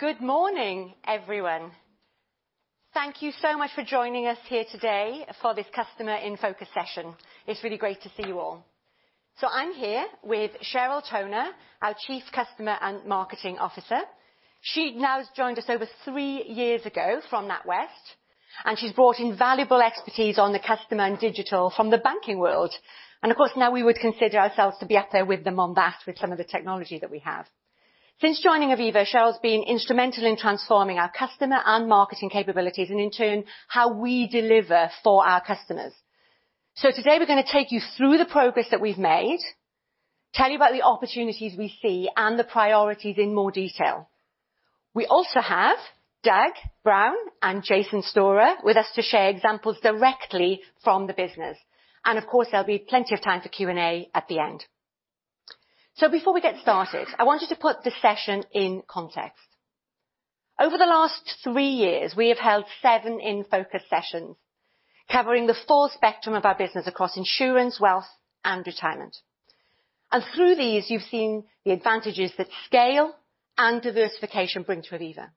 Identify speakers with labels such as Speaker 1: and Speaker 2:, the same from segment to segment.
Speaker 1: Good morning, everyone. Thank you so much for joining us here today for this Customer In Focus session. It's really great to see you all. So I'm here with Cheryl Toner, our Chief Customer and Marketing Officer. She now joined us over three years ago from NatWest, and she's brought invaluable expertise on the customer and digital from the banking world. And of course, now we would consider ourselves to be up there with them on that, with some of the technology that we have. Since joining Aviva, Cheryl's been instrumental in transforming our customer and marketing capabilities, and in turn, how we deliver for our customers. So today we're going to take you through the progress that we've made, tell you about the opportunities we see, and the priorities in more detail. We also have Doug Brown, and Jason Storah with us to share examples directly from the business. Of course, there'll be plenty of time for Q&A at the end. Before we get started, I want you to put the session in context. Over the last three years, we have held seven In Focus sessions covering the full spectrum of our business across insurance, wealth, and retirement. Through these, you've seen the advantages that scale and diversification brings to Aviva.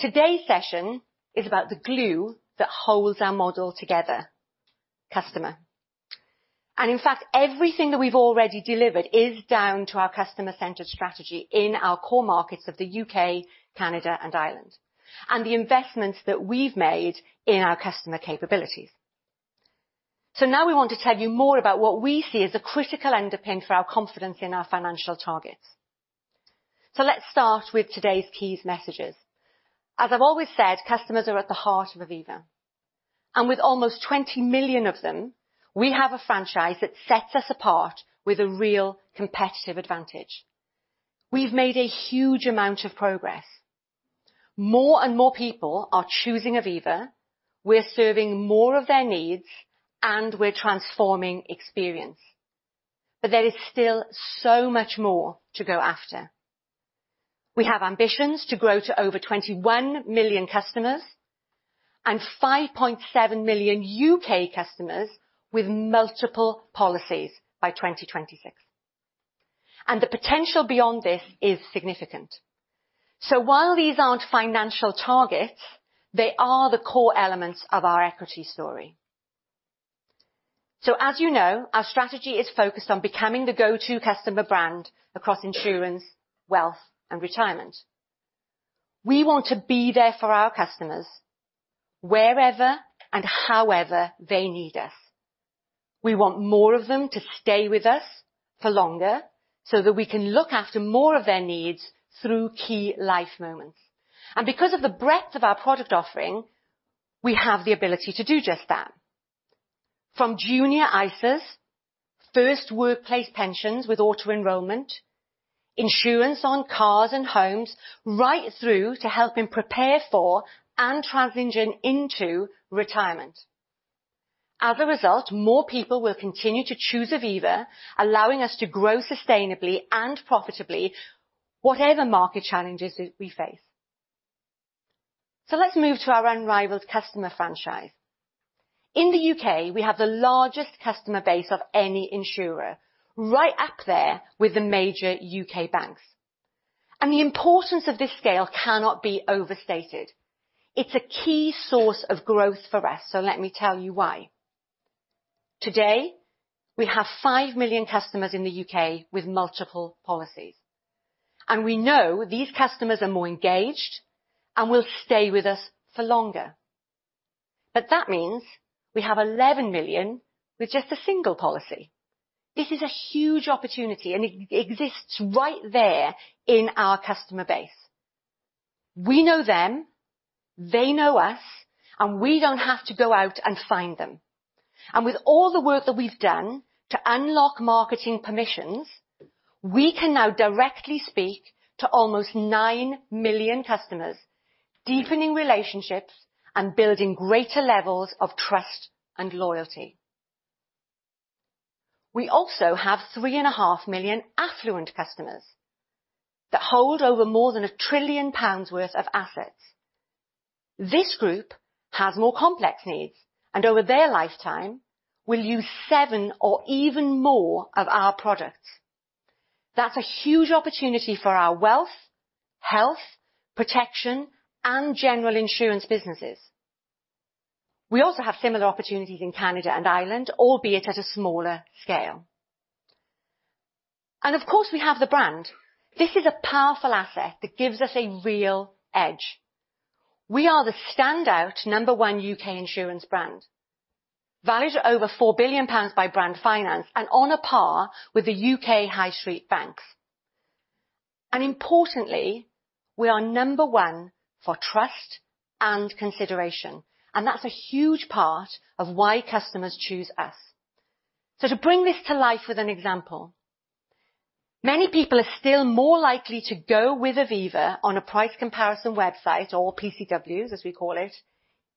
Speaker 1: Today's session is about the glue that holds our model together: customer. In fact, everything that we've already delivered is down to our customer-centered strategy in our core markets of the U.K., Canada, and Ireland, and the investments that we've made in our customer capabilities. Now we want to tell you more about what we see as a critical underpin for our confidence in our financial targets. Let's start with today's key messages. As I've always said, customers are at the heart of Aviva. With almost 20 million of them, we have a franchise that sets us apart with a real competitive advantage. We've made a huge amount of progress. More and more people are choosing Aviva. We're serving more of their needs, and we're transforming experience. There is still so much more to go after. We have ambitions to grow to over 21 million customers and 5.7 million U.K. customers with multiple policies by 2026. The potential beyond this is significant. While these aren't financial targets, they are the core elements of our equity story. As you know, our strategy is focused on becoming the go-to customer brand across insurance, wealth, and retirement. We want to be there for our customers wherever and however they need us. We want more of them to stay with us for longer so that we can look after more of their needs through key life moments. Because of the breadth of our product offering, we have the ability to do just that. From Junior ISAs, first workplace pensions with auto-enrollment, insurance on cars and homes, right through to helping prepare for and transition into retirement. As a result, more people will continue to choose Aviva, allowing us to grow sustainably and profitably, whatever market challenges we face. Let's move to our unrivaled customer franchise. In the U.K., we have the largest customer base of any insurer, right up there with the major U.K. banks. The importance of this scale cannot be overstated. It's a key source of growth for us, so let me tell you why. Today, we have five million customers in the U.K. with multiple policies. We know these customers are more engaged and will stay with us for longer. That means we have 11 million with just a single policy. This is a huge opportunity, and it exists right there in our customer base. We know them, they know us, and we don't have to go out and find them. With all the work that we've done to unlock marketing permissions, we can now directly speak to almost nine million customers, deepening relationships and building greater levels of trust and loyalty. We also have 3.5 million affluent customers that hold over more than 1 trillion pounds worth of assets. This group has more complex needs, and over their lifetime, will use seven or even more of our products. That's a huge opportunity for our wealth, health, protection, and general insurance businesses. We also have similar opportunities in Canada and Ireland, albeit at a smaller scale. Of course, we have the brand. This is a powerful asset that gives us a real edge. We are the standout number one U.K. insurance brand, valued at over 4 billion pounds by Brand Finance, and on a par with the U.K. high street banks. Importantly, we are number one for trust and consideration, and that's a huge part of why customers choose us. So to bring this to life with an example, many people are still more likely to go with Aviva on a price comparison website or PCWs, as we call it,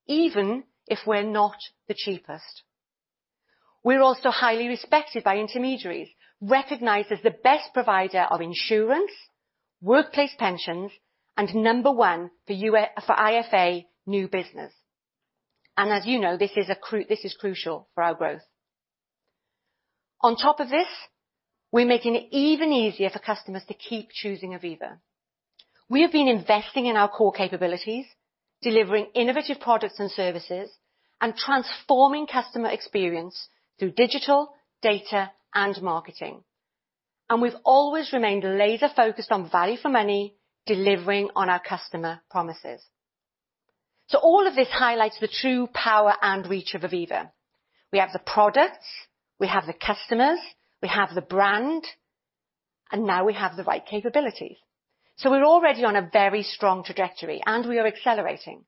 Speaker 1: even if we're not the cheapest. We're also highly respected by intermediaries, recognized as the best provider of insurance, workplace pensions, and number one for IFA new business. As you know, this is crucial for our growth. On top of this, we're making it even easier for customers to keep choosing Aviva. We have been investing in our core capabilities, delivering innovative products and services, and transforming customer experience through digital, data, and marketing. We've always remained laser-focused on value for money, delivering on our customer promises. All of this highlights the true power and reach of Aviva. We have the products, we have the customers, we have the brand, and now we have the right capabilities. We're already on a very strong trajectory, and we are accelerating.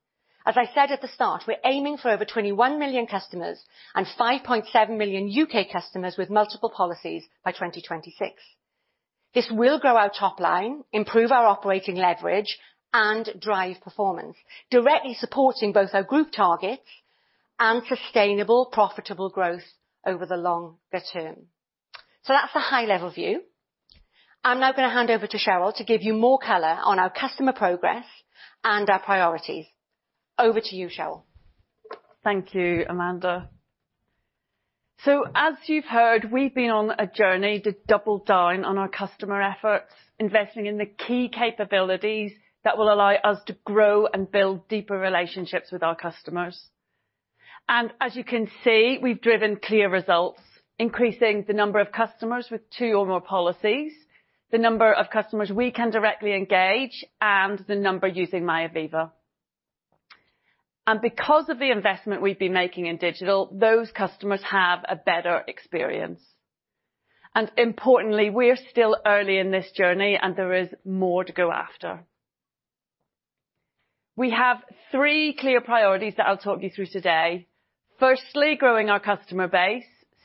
Speaker 1: As I said at the start, we're aiming for over 21 million customers and 5.7 million U.K. customers with multiple policies by 2026. This will grow our top line, improve our operating leverage, and drive performance, directly supporting both our group targets and sustainable, profitable growth over the longer term. That's the high-level view. I'm now going to hand over to Cheryl to give you more color on our customer progress and our priorities. Over to you, Cheryl.
Speaker 2: Thank you, Amanda. So as you've heard, we've been on a journey to double down on our customer efforts, investing in the key capabilities that will allow us to grow and build deeper relationships with our customers. And as you can see, we've driven clear results, increasing the number of customers with two or more policies, the number of customers we can directly engage, and the number using MyAviva. And because of the investment we've been making in digital, those customers have a better experience. And importantly, we're still early in this journey, and there is more to go after. We have three clear priorities that I'll talk you through today. Firstly, growing our customer base.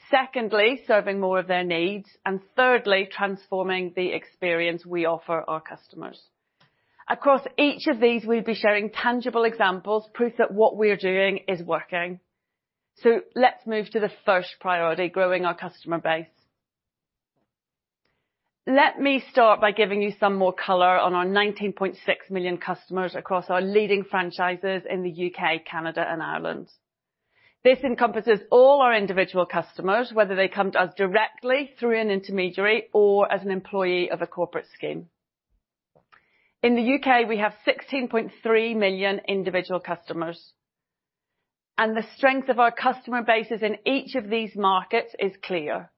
Speaker 2: Secondly, serving more of their needs. And thirdly, transforming the experience we offer our customers. Across each of these, we'll be sharing tangible examples, proof that what we're doing is working. Let's move to the first priority, growing our customer base. Let me start by giving you some more color on our 19.6 million customers across our leading franchises in the U.K., Canada, and Ireland. This encompasses all our individual customers, whether they come to us directly through an intermediary or as an employee of a corporate scheme. In the U.K., we have 16.3 million individual customers. The strength of our customer bases in each of these markets is clear,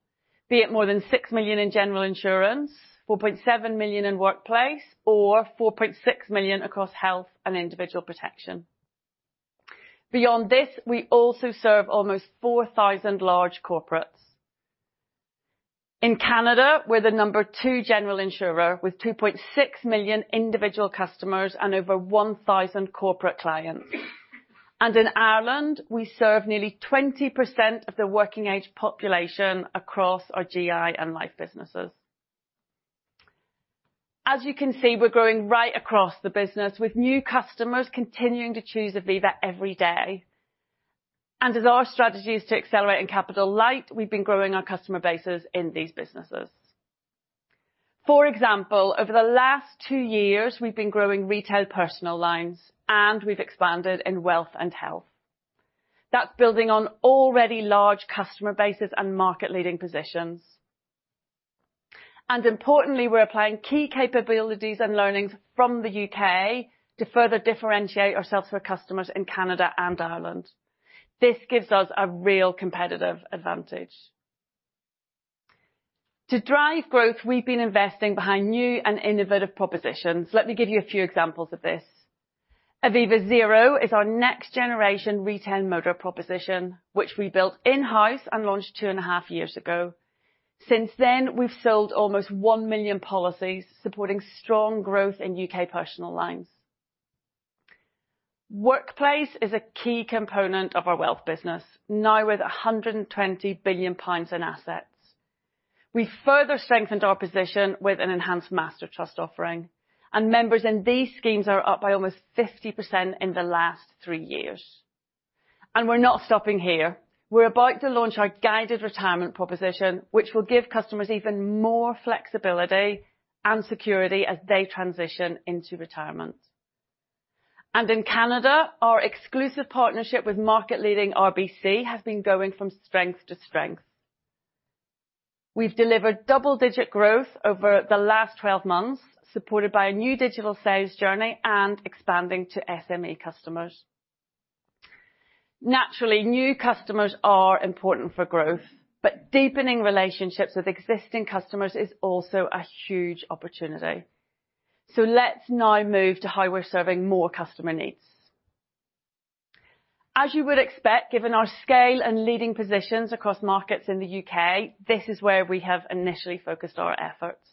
Speaker 2: be it more than six million in general insurance, 4.7 million in workplace, or 4.6 million across health and individual protection. Beyond this, we also serve almost 4,000 large corporates. In Canada, we're the number two general insurer with 2.6 million individual customers and over 1,000 corporate clients. In Ireland, we serve nearly 20% of the working-age population across our GI and life businesses. As you can see, we're growing right across the business, with new customers continuing to choose Aviva every day. As our strategy is to accelerate and capitalize, we've been growing our customer bases in these businesses. For example, over the last two years, we've been growing retail personal lines, and we've expanded in wealth and health. That's building on already large customer bases and market-leading positions. Importantly, we're applying key capabilities and learnings from the U.K. to further differentiate ourselves for customers in Canada and Ireland. This gives us a real competitive advantage. To drive growth, we've been investing behind new and innovative propositions. Let me give you a few examples of this. Aviva Zero is our next-generation retail motor proposition, which we built in-house and launched 2.5 years ago. Since then, we've sold almost one million policies supporting strong growth in U.K. personal lines. Workplace is a key component of our wealth business, now with 120 billion pounds in assets. We've further strengthened our position with an enhanced master trust offering, and members in these schemes are up by almost 50% in the last three years. We're not stopping here. We're about to launch our Guided Retirement proposition, which will give customers even more flexibility and security as they transition into retirement. In Canada, our exclusive partnership with market-leading RBC has been going from strength to strength. We've delivered double-digit growth over the last 12 months, supported by a new digital sales journey and expanding to SME customers. Naturally, new customers are important for growth, but deepening relationships with existing customers is also a huge opportunity. Let's now move to how we're serving more customer needs. As you would expect, given our scale and leading positions across markets in the U.K., this is where we have initially focused our efforts.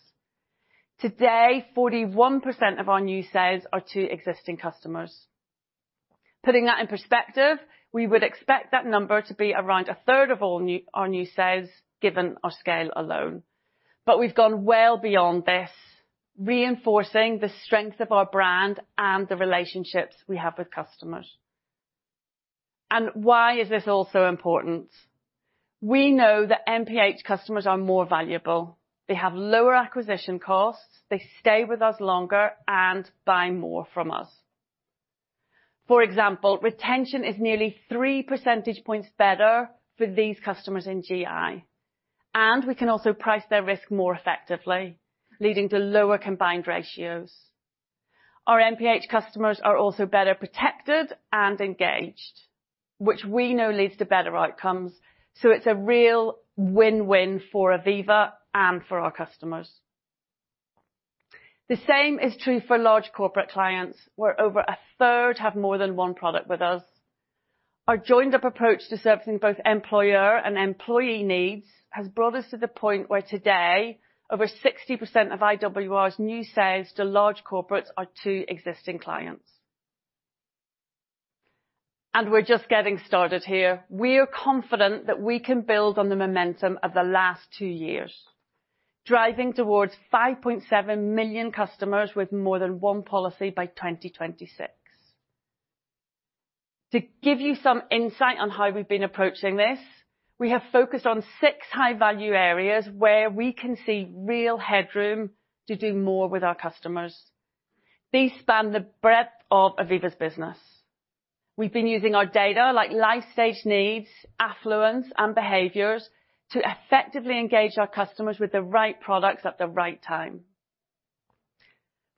Speaker 2: Today, 41% of our new sales are to existing customers. Putting that in perspective, we would expect that number to be around 1/3 of all our new sales, given our scale alone. But we've gone well beyond this, reinforcing the strength of our brand and the relationships we have with customers. And why is this also important? We know that MPH customers are more valuable. They have lower acquisition costs, they stay with us longer, and buy more from us. For example, retention is nearly 3 percentage points better for these customers in GI. And we can also price their risk more effectively, leading to lower combined ratios. Our MPH customers are also better protected and engaged, which we know leads to better outcomes. So it's a real win-win for Aviva and for our customers. The same is true for large corporate clients, where over 1/3 have more than one product with us. Our joined-up approach to servicing both employer and employee needs has brought us to the point where today, over 60% of IWR's new sales to large corporates are to existing clients. And we're just getting started here. We are confident that we can build on the momentum of the last two years, driving towards 5.7 million customers with more than one policy by 2026. To give you some insight on how we've been approaching this, we have focused on six high-value areas where we can see real headroom to do more with our customers. These span the breadth of Aviva's business. We've been using our data like life stage needs, affluence, and behaviors to effectively engage our customers with the right products at the right time.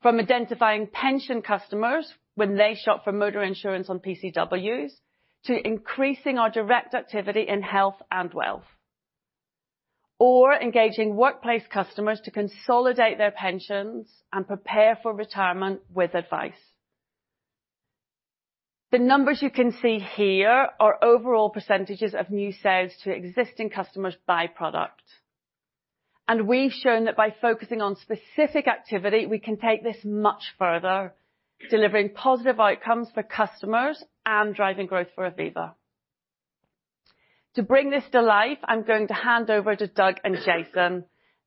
Speaker 2: From identifying pension customers when they shop for motor insurance on PCWs to increasing our direct activity in health and wealth, or engaging workplace customers to consolidate their pensions and prepare for retirement with advice. The numbers you can see here are overall percentages of new sales to existing customers by product. And we've shown that by focusing on specific activity, we can take this much further, delivering positive outcomes for customers and driving growth for Aviva. To bring this to life, I'm going to hand over to Doug and Jason.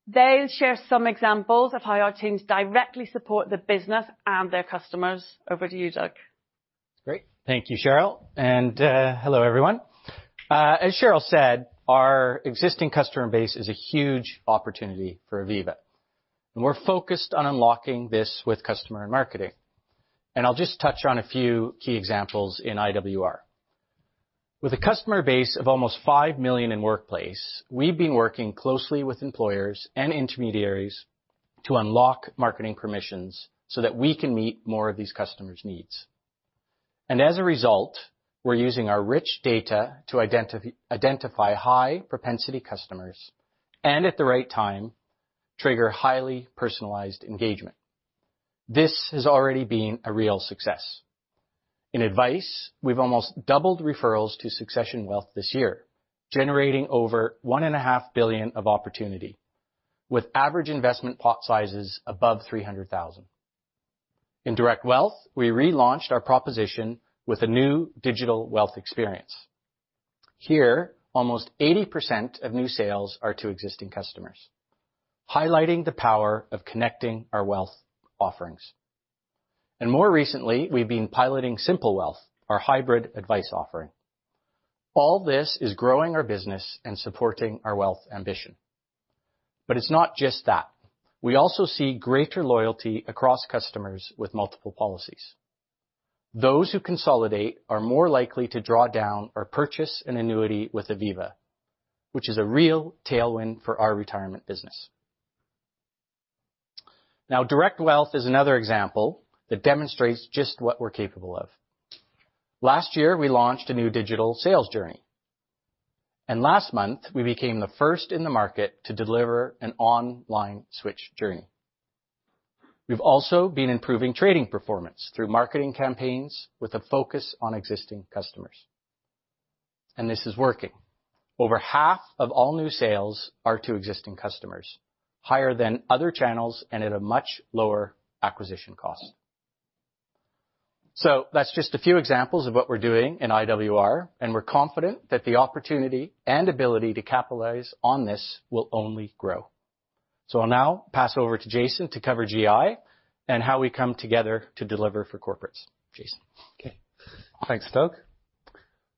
Speaker 2: They'll share some examples of how our teams directly support the business and their customers. Over to you, Doug.
Speaker 3: Great. Thank you, Cheryl. Hello, everyone. As Cheryl said, our existing customer base is a huge opportunity for Aviva. We're focused on unlocking this with customer and marketing. I'll just touch on a few key examples in IWR. With a customer base of almost five million in workplace, we've been working closely with employers and intermediaries to unlock marketing permissions so that we can meet more of these customers' needs. As a result, we're using our rich data to identify high-propensity customers and, at the right time, trigger highly personalized engagement. This has already been a real success. In advice, we've almost doubled referrals to Succession Wealth this year, generating over 1.5 billion of opportunity, with average investment pot sizes above 300,000. In Direct Wealth, we relaunched our proposition with a new digital wealth experience. Here, almost 80% of new sales are to existing customers, highlighting the power of connecting our wealth offerings. More recently, we've been piloting Simple Wealth, our hybrid advice offering. All this is growing our business and supporting our wealth ambition. It's not just that. We also see greater loyalty across customers with multiple policies. Those who consolidate are more likely to draw down or purchase an annuity with Aviva, which is a real tailwind for our retirement business. Now, Direct Wealth is another example that demonstrates just what we're capable of. Last year, we launched a new digital sales journey. Last month, we became the first in the market to deliver an online switch journey. We've also been improving trading performance through marketing campaigns with a focus on existing customers. This is working. Over half of all new sales are to existing customers, higher than other channels and at a much lower acquisition cost. So that's just a few examples of what we're doing in IWR. And we're confident that the opportunity and ability to capitalize on this will only grow. So I'll now pass over to Jason to cover GI and how we come together to deliver for corporates. Jason?
Speaker 4: Okay. Thanks, Doug.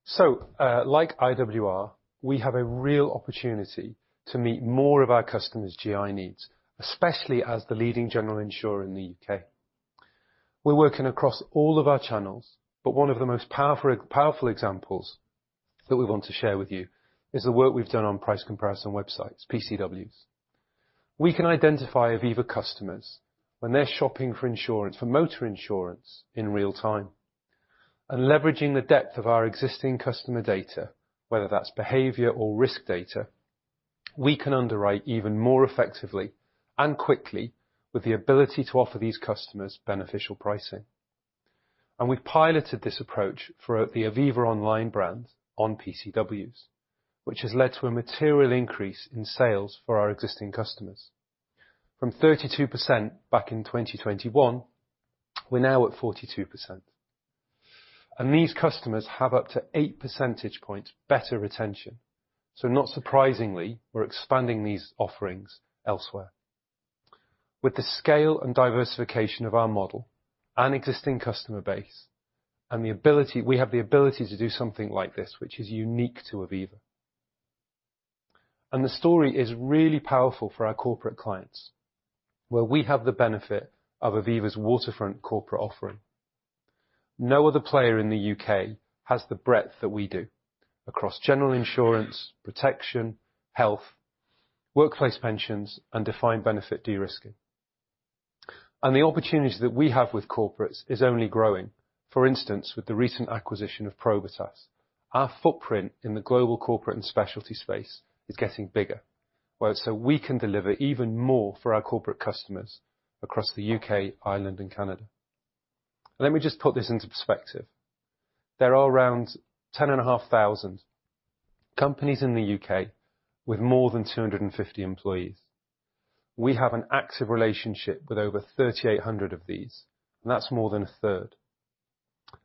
Speaker 4: So like IWR, we have a real opportunity to meet more of our customers' GI needs, especially as the leading general insurer in the U.K. We're working across all of our channels, but one of the most powerful examples that we want to share with you is the work we've done on price comparison websites, PCWs. We can identify Aviva customers when they're shopping for insurance, for motor insurance, in real time. And leveraging the depth of our existing customer data, whether that's behavior or risk data, we can underwrite even more effectively and quickly with the ability to offer these customers beneficial pricing. And we've piloted this approach for the Aviva Online brand on PCWs, which has led to a material increase in sales for our existing customers. From 32% back in 2021, we're now at 42%. These customers have up to 8 percentage points better retention. So not surprisingly, we're expanding these offerings elsewhere. With the scale and diversification of our model and existing customer base and the ability we have to do something like this, which is unique to Aviva. The story is really powerful for our corporate clients, where we have the benefit of Aviva's waterfront corporate offering. No other player in the U.K. has the breadth that we do across general insurance, protection, health, workplace pensions, and defined benefit de-risking. The opportunity that we have with corporates is only growing. For instance, with the recent acquisition of Probitas, our footprint in the global corporate and specialty space is getting bigger, where it's so we can deliver even more for our corporate customers across the U.K., Ireland, and Canada. Let me just put this into perspective. There are around 10,500 companies in the U.K. with more than 250 employees. We have an active relationship with over 3,800 of these, and that's more than 1/3.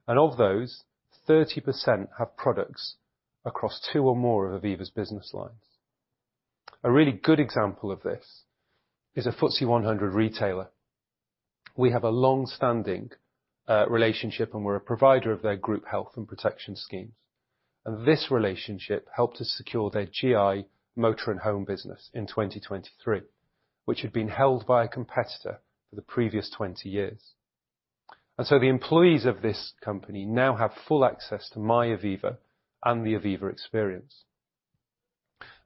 Speaker 4: Of those, 30% have products across two or more of Aviva's business lines. A really good example of this is a FTSE 100 retailer. We have a long-standing relationship, and we're a provider of their group health and protection schemes. This relationship helped us secure their GI motor and home business in 2023, which had been held by a competitor for the previous 20 years. So the employees of this company now have full access to MyAviva and the Aviva experience.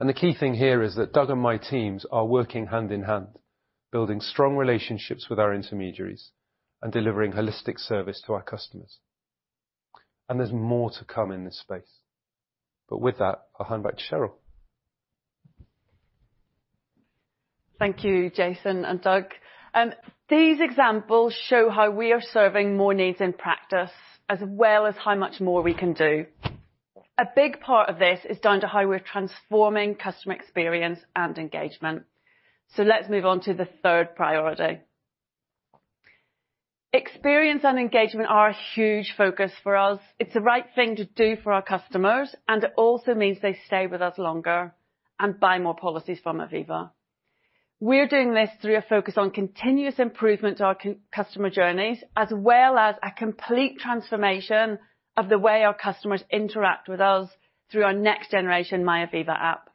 Speaker 4: The key thing here is that Doug and my teams are working hand in hand, building strong relationships with our intermediaries and delivering holistic service to our customers. There's more to come in this space. With that, I'll hand back to Cheryl.
Speaker 2: Thank you, Jason and Doug. These examples show how we are serving more needs in practice, as well as how much more we can do. A big part of this is down to how we're transforming customer experience and engagement. Let's move on to the third priority. Experience and engagement are a huge focus for us. It's the right thing to do for our customers, and it also means they stay with us longer and buy more policies from Aviva. We're doing this through a focus on continuous improvement to our customer journeys, as well as a complete transformation of the way our customers interact with us through our next-generation MyAviva app.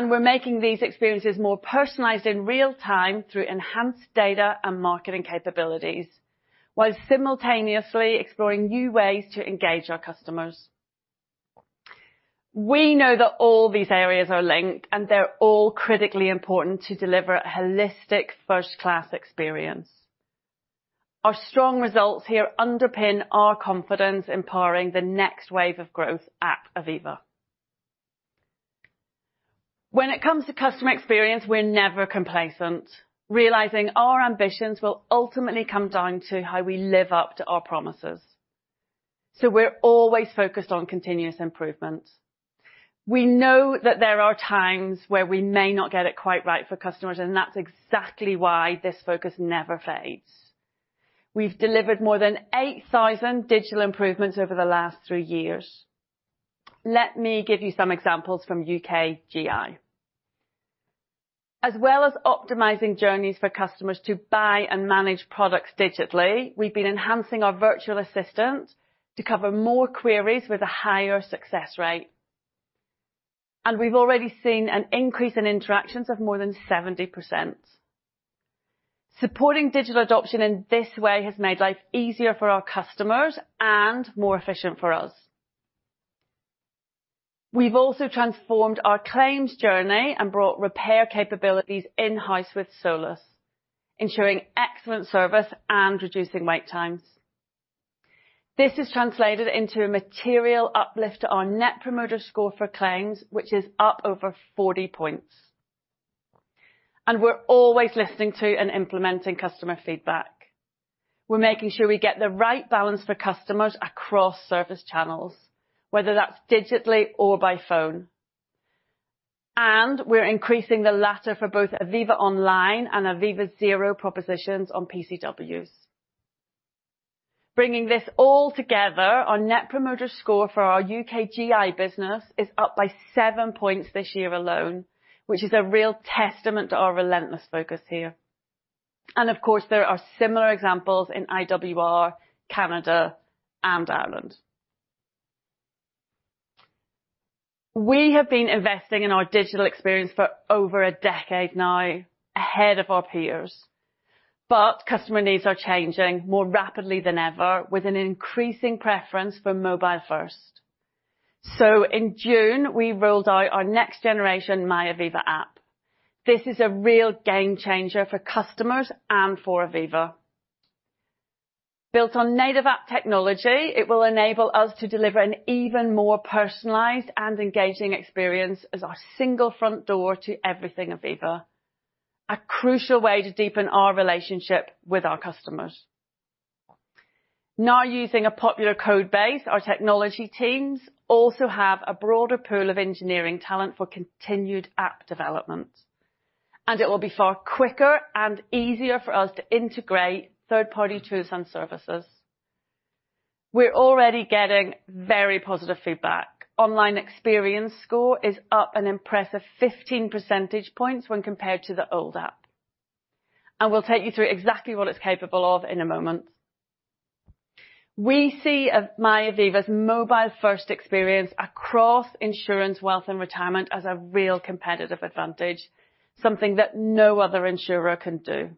Speaker 2: We're making these experiences more personalized in real time through enhanced data and marketing capabilities, while simultaneously exploring new ways to engage our customers. We know that all these areas are linked, and they're all critically important to deliver a holistic first-class experience. Our strong results here underpin our confidence in powering the next wave of growth at Aviva. When it comes to customer experience, we're never complacent, realizing our ambitions will ultimately come down to how we live up to our promises. So we're always focused on continuous improvement. We know that there are times where we may not get it quite right for customers, and that's exactly why this focus never fades. We've delivered more than 8,000 digital improvements over the last three years. Let me give you some examples from U.K. GI. As well as optimizing journeys for customers to buy and manage products digitally, we've been enhancing our virtual assistant to cover more queries with a higher success rate. We've already seen an increase in interactions of more than 70%. Supporting digital adoption in this way has made life easier for our customers and more efficient for us. We've also transformed our claims journey and brought repair capabilities in-house with Solus, ensuring excellent service and reducing wait times. This has translated into a material uplift to our Net Promoter Score for claims, which is up over 40 points. We're always listening to and implementing customer feedback. We're making sure we get the right balance for customers across service channels, whether that's digitally or by phone. We're increasing the latter for both Aviva Online and Aviva Zero propositions on PCWs. Bringing this all together, our Net Promoter Score for our U.K. GI business is up by seven points this year alone, which is a real testament to our relentless focus here. Of course, there are similar examples in IWR, Canada, and Ireland. We have been investing in our digital experience for over a decade now, ahead of our peers. Customer needs are changing more rapidly than ever, with an increasing preference for mobile-first. In June, we rolled out our next-generation MyAviva app. This is a real game changer for customers and for Aviva. Built on native app technology, it will enable us to deliver an even more personalized and engaging experience as our single front door to everything Aviva, a crucial way to deepen our relationship with our customers. Now, using a popular code base, our technology teams also have a broader pool of engineering talent for continued app development. It will be far quicker and easier for us to integrate third-party tools and services. We're already getting very positive feedback. Online experience score is up an impressive 15 percentage points when compared to the old app. We'll take you through exactly what it's capable of in a moment. We see MyAviva's mobile-first experience across insurance, wealth, and retirement as a real competitive advantage, something that no other insurer can do.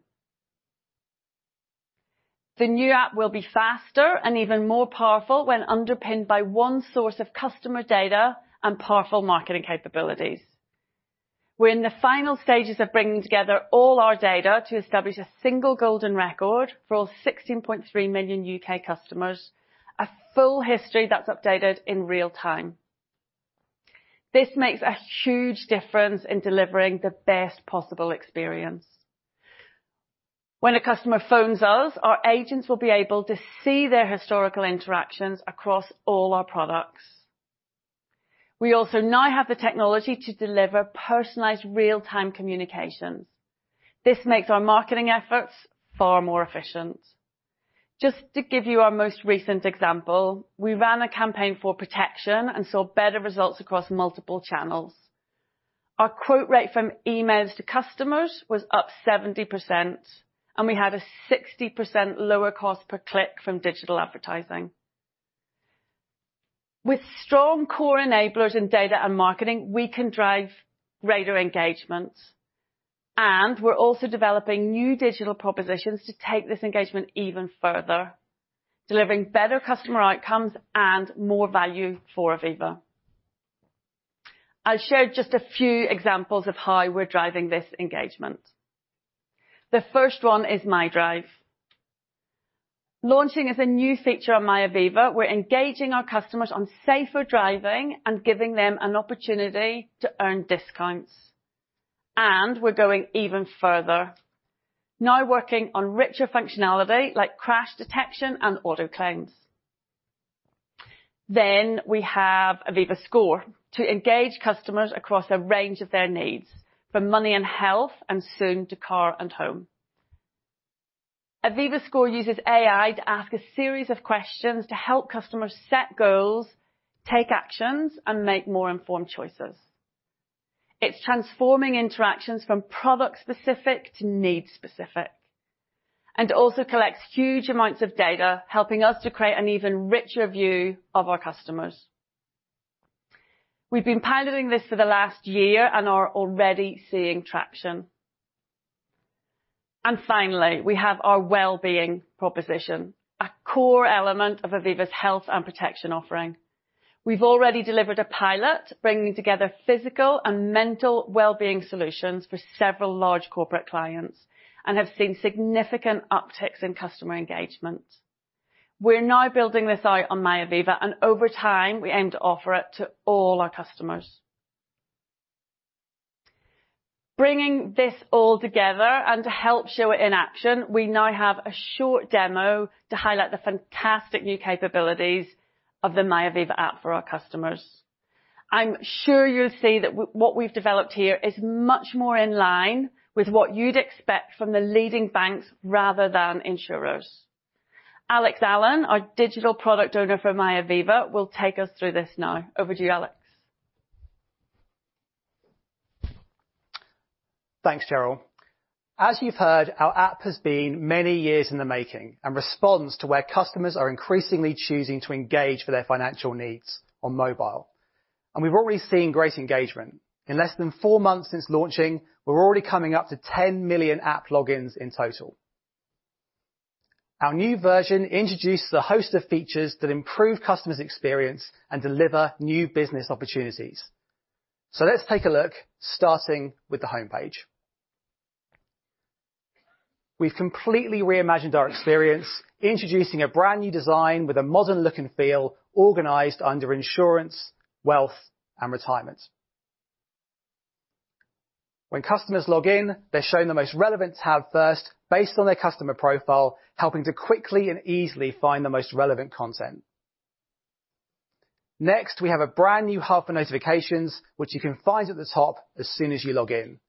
Speaker 2: The new app will be faster and even more powerful when underpinned by one source of customer data and powerful marketing capabilities. We're in the final stages of bringing together all our data to establish a single golden record for all 16.3 million U.K. customers, a full history that's updated in real time. This makes a huge difference in delivering the best possible experience. When a customer phones us, our agents will be able to see their historical interactions across all our products. We also now have the technology to deliver personalized real-time communications. This makes our marketing efforts far more efficient. Just to give you our most recent example, we ran a campaign for protection and saw better results across multiple channels. Our quote rate from emails to customers was up 70%, and we had a 60% lower cost per click from digital advertising. With strong core enablers in data and marketing, we can drive greater engagement. We're also developing new digital propositions to take this engagement even further, delivering better customer outcomes and more value for Aviva. I'll share just a few examples of how we're driving this engagement. The first one is MyDrive. Launching as a new feature on MyAviva, we're engaging our customers on safer driving and giving them an opportunity to earn discounts. We're going even further, now working on richer functionality like crash detection and auto claims. Then we have Aviva Score to engage customers across a range of their needs, from money and health and soon to car and home. Aviva Score uses AI to ask a series of questions to help customers set goals, take actions, and make more informed choices. It's transforming interactions from product-specific to need-specific and also collects huge amounts of data, helping us to create an even richer view of our customers. We've been piloting this for the last year and are already seeing traction. And finally, we have our well-being proposition, a core element of Aviva's health and protection offering. We've already delivered a pilot bringing together physical and mental well-being solutions for several large corporate clients and have seen significant upticks in customer engagement. We're now building this out on MyAviva, and over time, we aim to offer it to all our customers. Bringing this all together and to help show it in action, we now have a short demo to highlight the fantastic new capabilities of the MyAviva app for our customers. I'm sure you'll see that what we've developed here is much more in line with what you'd expect from the leading banks rather than insurers. Alex Allen, our Digital Product Owner for MyAviva, will take us through this now. Over to you, Alex.
Speaker 5: Thanks, Cheryl. As you've heard, our app has been many years in the making and responds to where customers are increasingly choosing to engage for their financial needs on mobile. We've already seen great engagement. In less than four months since launching, we're already coming up to 10 million app logins in total. Our new version introduces a host of features that improve customers' experience and deliver new business opportunities. Let's take a look, starting with the homepage. We've completely reimagined our experience, introducing a brand new design with a modern look and feel organized under insurance, wealth, and retirement. When customers log in, they're shown the most relevant tab first based on their customer profile, helping to quickly and easily find the most relevant content. Next, we have a brand new hub for notifications, which you can find at the top as soon as you log in.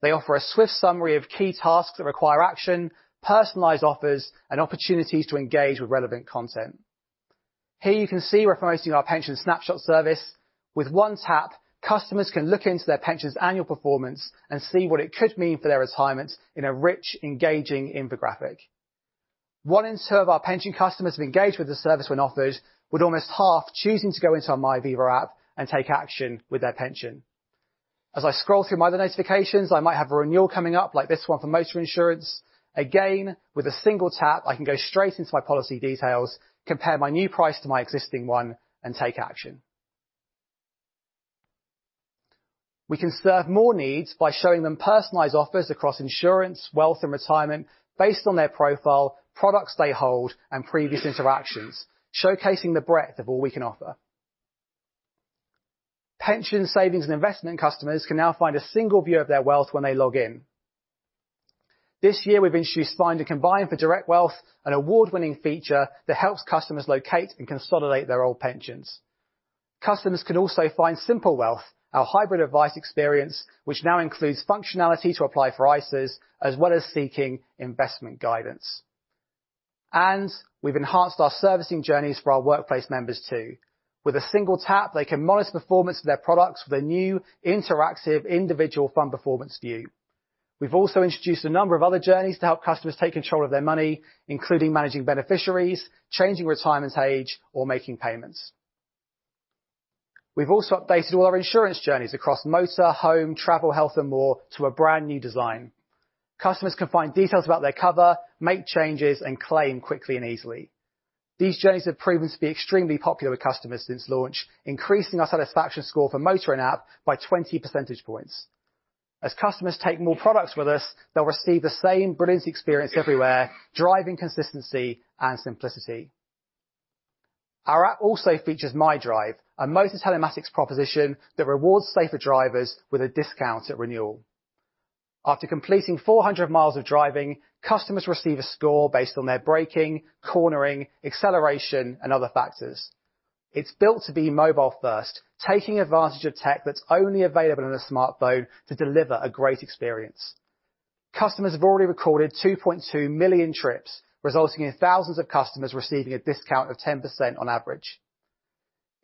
Speaker 5: They offer a swift summary of key tasks that require action, personalized offers, and opportunities to engage with relevant content. Here you can see we're promoting our Pension Snapshot service. With one tap, customers can look into their pension's annual performance and see what it could mean for their retirement in a rich, engaging infographic. One in two of our pension customers have engaged with the service when offered, with almost half choosing to go into our MyAviva app and take action with their pension. As I scroll through my other notifications, I might have a renewal coming up, like this one for motor insurance. Again, with a single tap, I can go straight into my policy details, compare my new price to my existing one, and take action. We can serve more needs by showing them personalized offers across insurance, wealth, and retirement based on their profile, products they hold, and previous interactions, showcasing the breadth of all we can offer. Pension savings and investment customers can now find a single view of their wealth when they log in. This year, we've introduced Find and Combine for Direct Wealth, an award-winning feature that helps customers locate and consolidate their old pensions. Customers can also find Simple Wealth, our hybrid advice experience, which now includes functionality to apply for ISAs, as well as seeking investment guidance. And we've enhanced our servicing journeys for our workplace members too. With a single tap, they can monitor performance of their products with a new interactive individual fund performance view. We've also introduced a number of other journeys to help customers take control of their money, including managing beneficiaries, changing retirement age, or making payments. We've also updated all our insurance journeys across motor, home, travel, health, and more to a brand new design. Customers can find details about their cover, make changes, and claim quickly and easily. These journeys have proven to be extremely popular with customers since launch, increasing our satisfaction score for motor and app by 20 percentage points. As customers take more products with us, they'll receive the same brilliant experience everywhere, driving consistency and simplicity. Our app also features MyDrive, a motor telematics proposition that rewards safer drivers with a discount at renewal. After completing 400 mi of driving, customers receive a score based on their braking, cornering, acceleration, and other factors. It's built to be mobile-first, taking advantage of tech that's only available on a smartphone to deliver a great experience. Customers have already recorded 2.2 million trips, resulting in thousands of customers receiving a discount of 10% on average.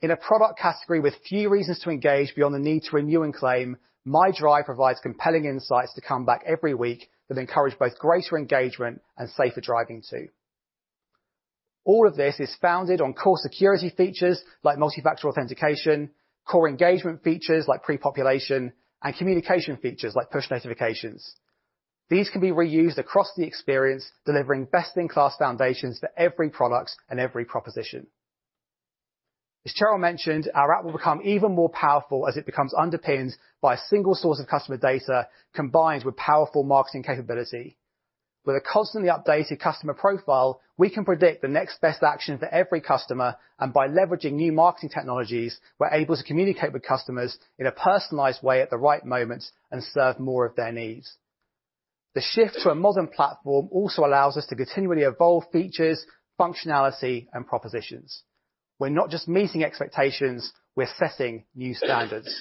Speaker 5: In a product category with few reasons to engage beyond the need to renew and claim, MyDrive provides compelling insights to come back every week that encourage both greater engagement and safer driving too. All of this is founded on core security features like multi-factor authentication, core engagement features like pre-population, and communication features like push notifications. These can be reused across the experience, delivering best-in-class foundations for every product and every proposition. As Cheryl mentioned, our app will become even more powerful as it becomes underpinned by a single source of customer data combined with powerful marketing capability. With a constantly updated customer profile, we can predict the next best action for every customer. By leveraging new marketing technologies, we're able to communicate with customers in a personalized way at the right moment and serve more of their needs. The shift to a modern platform also allows us to continually evolve features, functionality, and propositions. We're not just meeting expectations. We're setting new standards.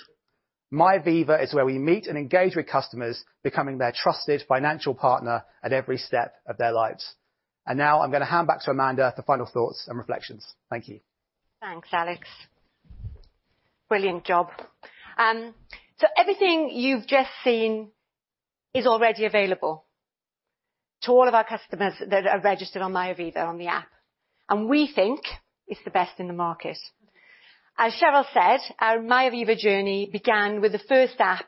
Speaker 5: MyAviva is where we meet and engage with customers, becoming their trusted financial partner at every step of their lives. Now I'm going to hand back to Amanda for final thoughts and reflections. Thank you.
Speaker 1: Thanks, Alex. Brilliant job. So everything you've just seen is already available to all of our customers that are registered on MyAviva on the app. And we think it's the best in the market. As Cheryl said, our MyAviva journey began with the first app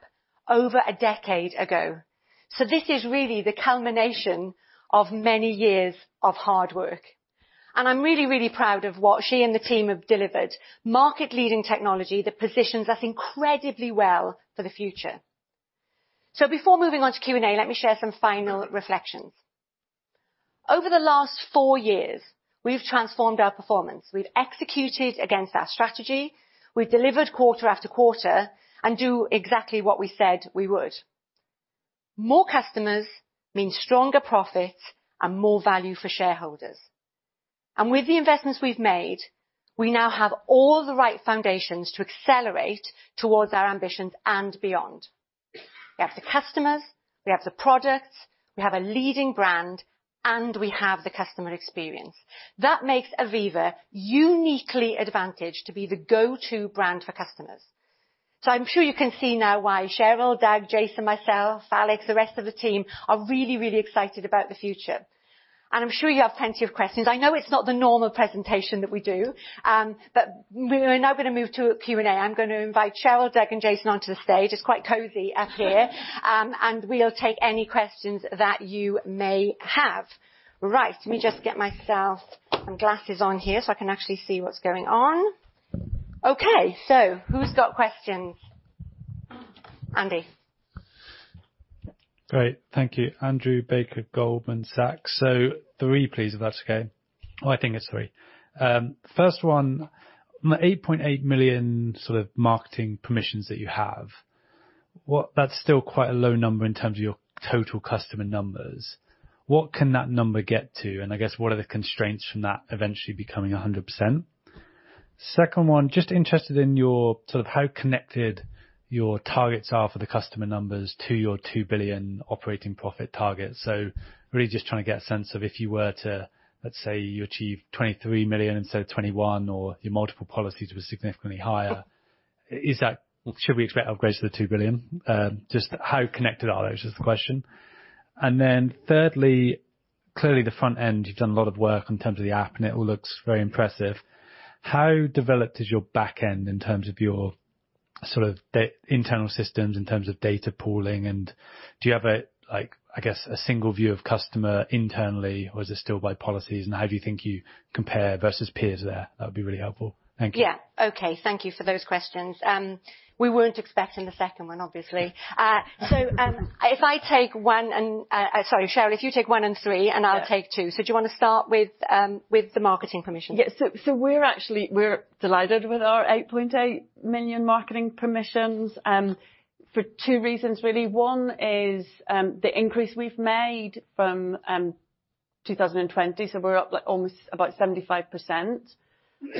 Speaker 1: over a decade ago. So this is really the culmination of many years of hard work. And I'm really, really proud of what she and the team have delivered: market-leading technology that positions us incredibly well for the future. So before moving on to Q&A, let me share some final reflections. Over the last four years, we've transformed our performance. We've executed against our strategy. We've delivered quarter after quarter and do exactly what we said we would. More customers mean stronger profits and more value for shareholders. With the investments we've made, we now have all the right foundations to accelerate toward our ambitions and beyond. We have the customers, we have the products, we have a leading brand, and we have the customer experience. That makes Aviva uniquely advantaged to be the go-to brand for customers. So I'm sure you can see now why Cheryl, Doug, Jason, myself, Alex, the rest of the team are really, really excited about the future. And I'm sure you have plenty of questions. I know it's not the normal presentation that we do, but we're now going to move to a Q&A. I'm going to invite Cheryl, Doug, and Jason onto the stage. It's quite cozy up here. And we'll take any questions that you may have. Right, let me just get myself some glasses on here so I can actually see what's going on. Okay, so who's got questions? Andy.
Speaker 6: Great, thank you. Andrew Baker, Goldman Sachs. So three, please, if that's okay. Well, I think it's three. First one, the 8.8 million sort of marketing permissions that you have, that's still quite a low number in terms of your total customer numbers. What can that number get to? And I guess, what are the constraints from that eventually becoming 100%? Second one, just interested in your sort of how connected your targets are for the customer numbers to your 2 billion operating profit target. So really just trying to get a sense of if you were to, let's say, you achieve 23 million instead of 21, or your multiple policies were significantly higher, should we expect upgrades to the 2 billion? Just how connected are those is the question. Then thirdly, clearly the front end, you've done a lot of work in terms of the app, and it all looks very impressive. How developed is your back end in terms of your sort of internal systems in terms of data pooling? And do you have a, I guess, a single view of customer internally, or is it still by policies? And how do you think you compare versus peers there? That would be really helpful. Thank you.
Speaker 1: Yeah, okay, thank you for those questions. We weren't expecting the second one, obviously. So if I take one and, sorry, Cheryl, if you take one and three, and I'll take two. So do you want to start with the marketing permissions?
Speaker 2: Yeah, so we're actually delighted with our 8.8 million marketing permissions for two reasons, really. One is the increase we've made from 2020, so we're up almost about 75%.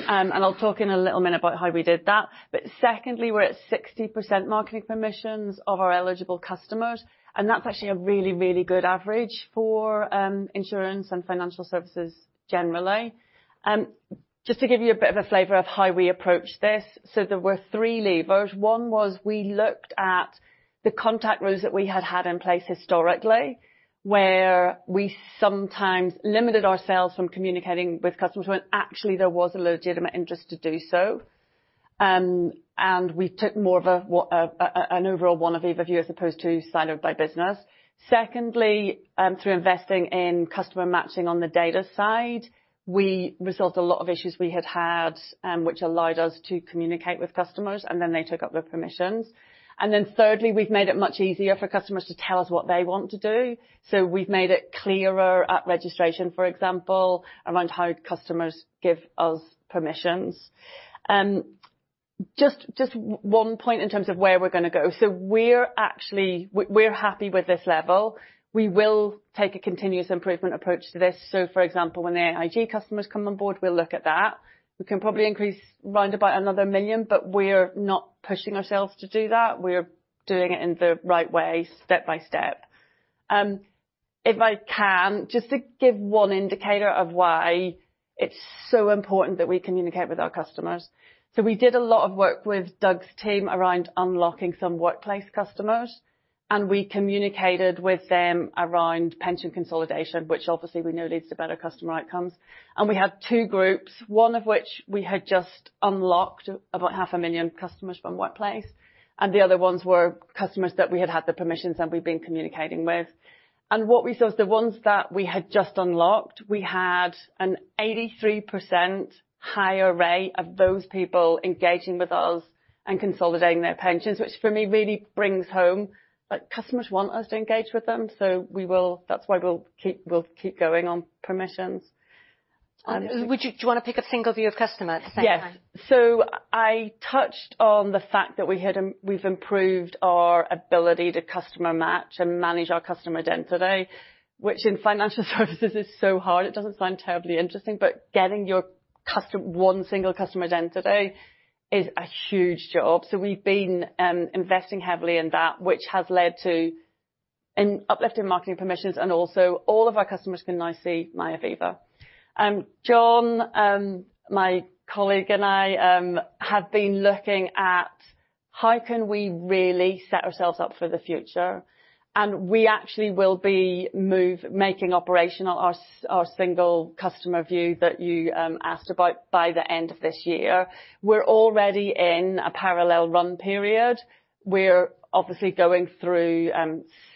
Speaker 2: And I'll talk in a little minute about how we did that. But secondly, we're at 60% marketing permissions of our eligible customers. And that's actually a really, really good average for insurance and financial services generally. Just to give you a bit of a flavor of how we approach this, so there were three levers. One was we looked at the contact rules that we had had in place historically, where we sometimes limited ourselves from communicating with customers when actually there was a legitimate interest to do so. And we took more of an overall One Aviva view as opposed to signed up by business. Secondly, through investing in customer matching on the data side, we resolved a lot of issues we had had, which allowed us to communicate with customers, and then they took up their permissions. And then thirdly, we've made it much easier for customers to tell us what they want to do. So we've made it clearer at registration, for example, around how customers give us permissions. Just one point in terms of where we're going to go. So we're actually happy with this level. We will take a continuous improvement approach to this. So for example, when the AIG customers come on board, we'll look at that. We can probably increase around another one million, but we're not pushing ourselves to do that. We're doing it in the right way, step by step. If I can, just to give one indicator of why it's so important that we communicate with our customers. So we did a lot of work with Doug's team around unlocking some workplace customers. And we communicated with them around pension consolidation, which obviously we know leads to better customer outcomes. And we had two groups, one of which we had just unlocked about 500,000 customers from workplace. And the other ones were customers that we had had the permissions and we've been communicating with. And what we saw is the ones that we had just unlocked, we had an 83% higher rate of those people engaging with us and consolidating their pensions, which for me really brings home that customers want us to engage with them. So that's why we'll keep going on permissions.
Speaker 1: Do you want to pick a single view of customer at the same time?
Speaker 2: Yes. So I touched on the fact that we've improved our ability to customer match and manage our customer identity, which in financial services is so hard. It doesn't sound terribly interesting, but getting your one single customer identity is a huge job. So we've been investing heavily in that, which has led to an uplift in marketing permissions, and also all of our customers can now see MyAviva. John, my colleague, and I have been looking at how can we really set ourselves up for the future. And we actually will be making operational our single customer view that you asked about by the end of this year. We're already in a parallel run period. We're obviously going through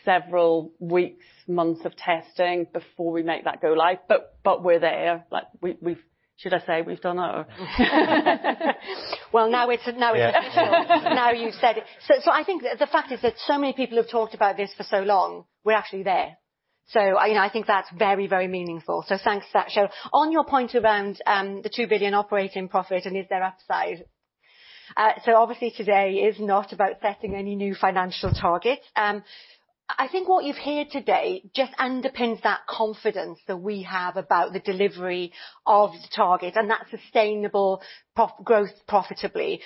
Speaker 2: several weeks, months of testing before we make that go live. But we're there. Should I say we've done it?
Speaker 1: Well, now you've said it. So I think the fact is that so many people have talked about this for so long, we're actually there. So I think that's very, very meaningful. So thanks for that, Cheryl. On your point around the 2 billion operating profit and is there upside? So obviously today is not about setting any new financial targets. I think what you've heard today just underpins that confidence that we have about the delivery of the targets and that sustainable growth profitably.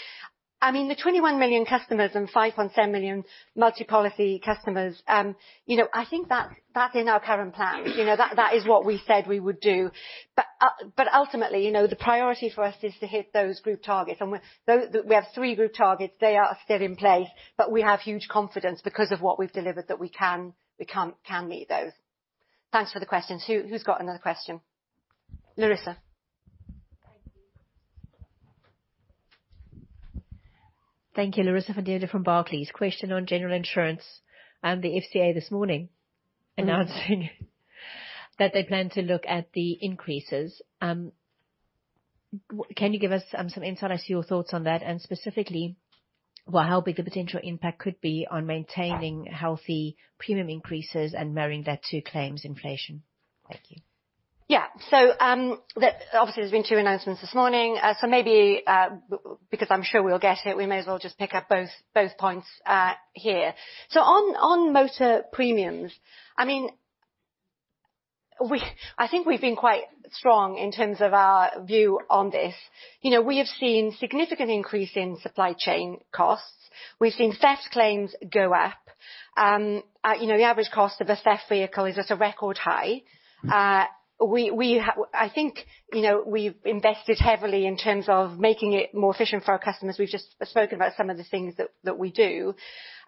Speaker 1: I mean, the 21 million customers and 5.7 million multi-policy customers, I think that's in our current plan. That is what we said we would do. But ultimately, the priority for us is to hit those group targets. And we have three group targets. They are still in place, but we have huge confidence because of what we've delivered that we can meet those. Thanks for the questions. Who's got another question? Larissa.
Speaker 7: Thank you, Larissa van Deventer from Barclays. Question on general insurance and the FCA this morning announcing that they plan to look at the increases. Can you give us some insight as to your thoughts on that and specifically how big the potential impact could be on maintaining healthy premium increases and marrying that to claims inflation? Thank you.
Speaker 1: Yeah, so obviously there's been two announcements this morning. So maybe because I'm sure we'll get it, we may as well just pick up both points here. So on motor premiums, I mean, I think we've been quite strong in terms of our view on this. We have seen significant increase in supply chain costs. We've seen theft claims go up. The average cost of a theft vehicle is at a record high. I think we've invested heavily in terms of making it more efficient for our customers. We've just spoken about some of the things that we do.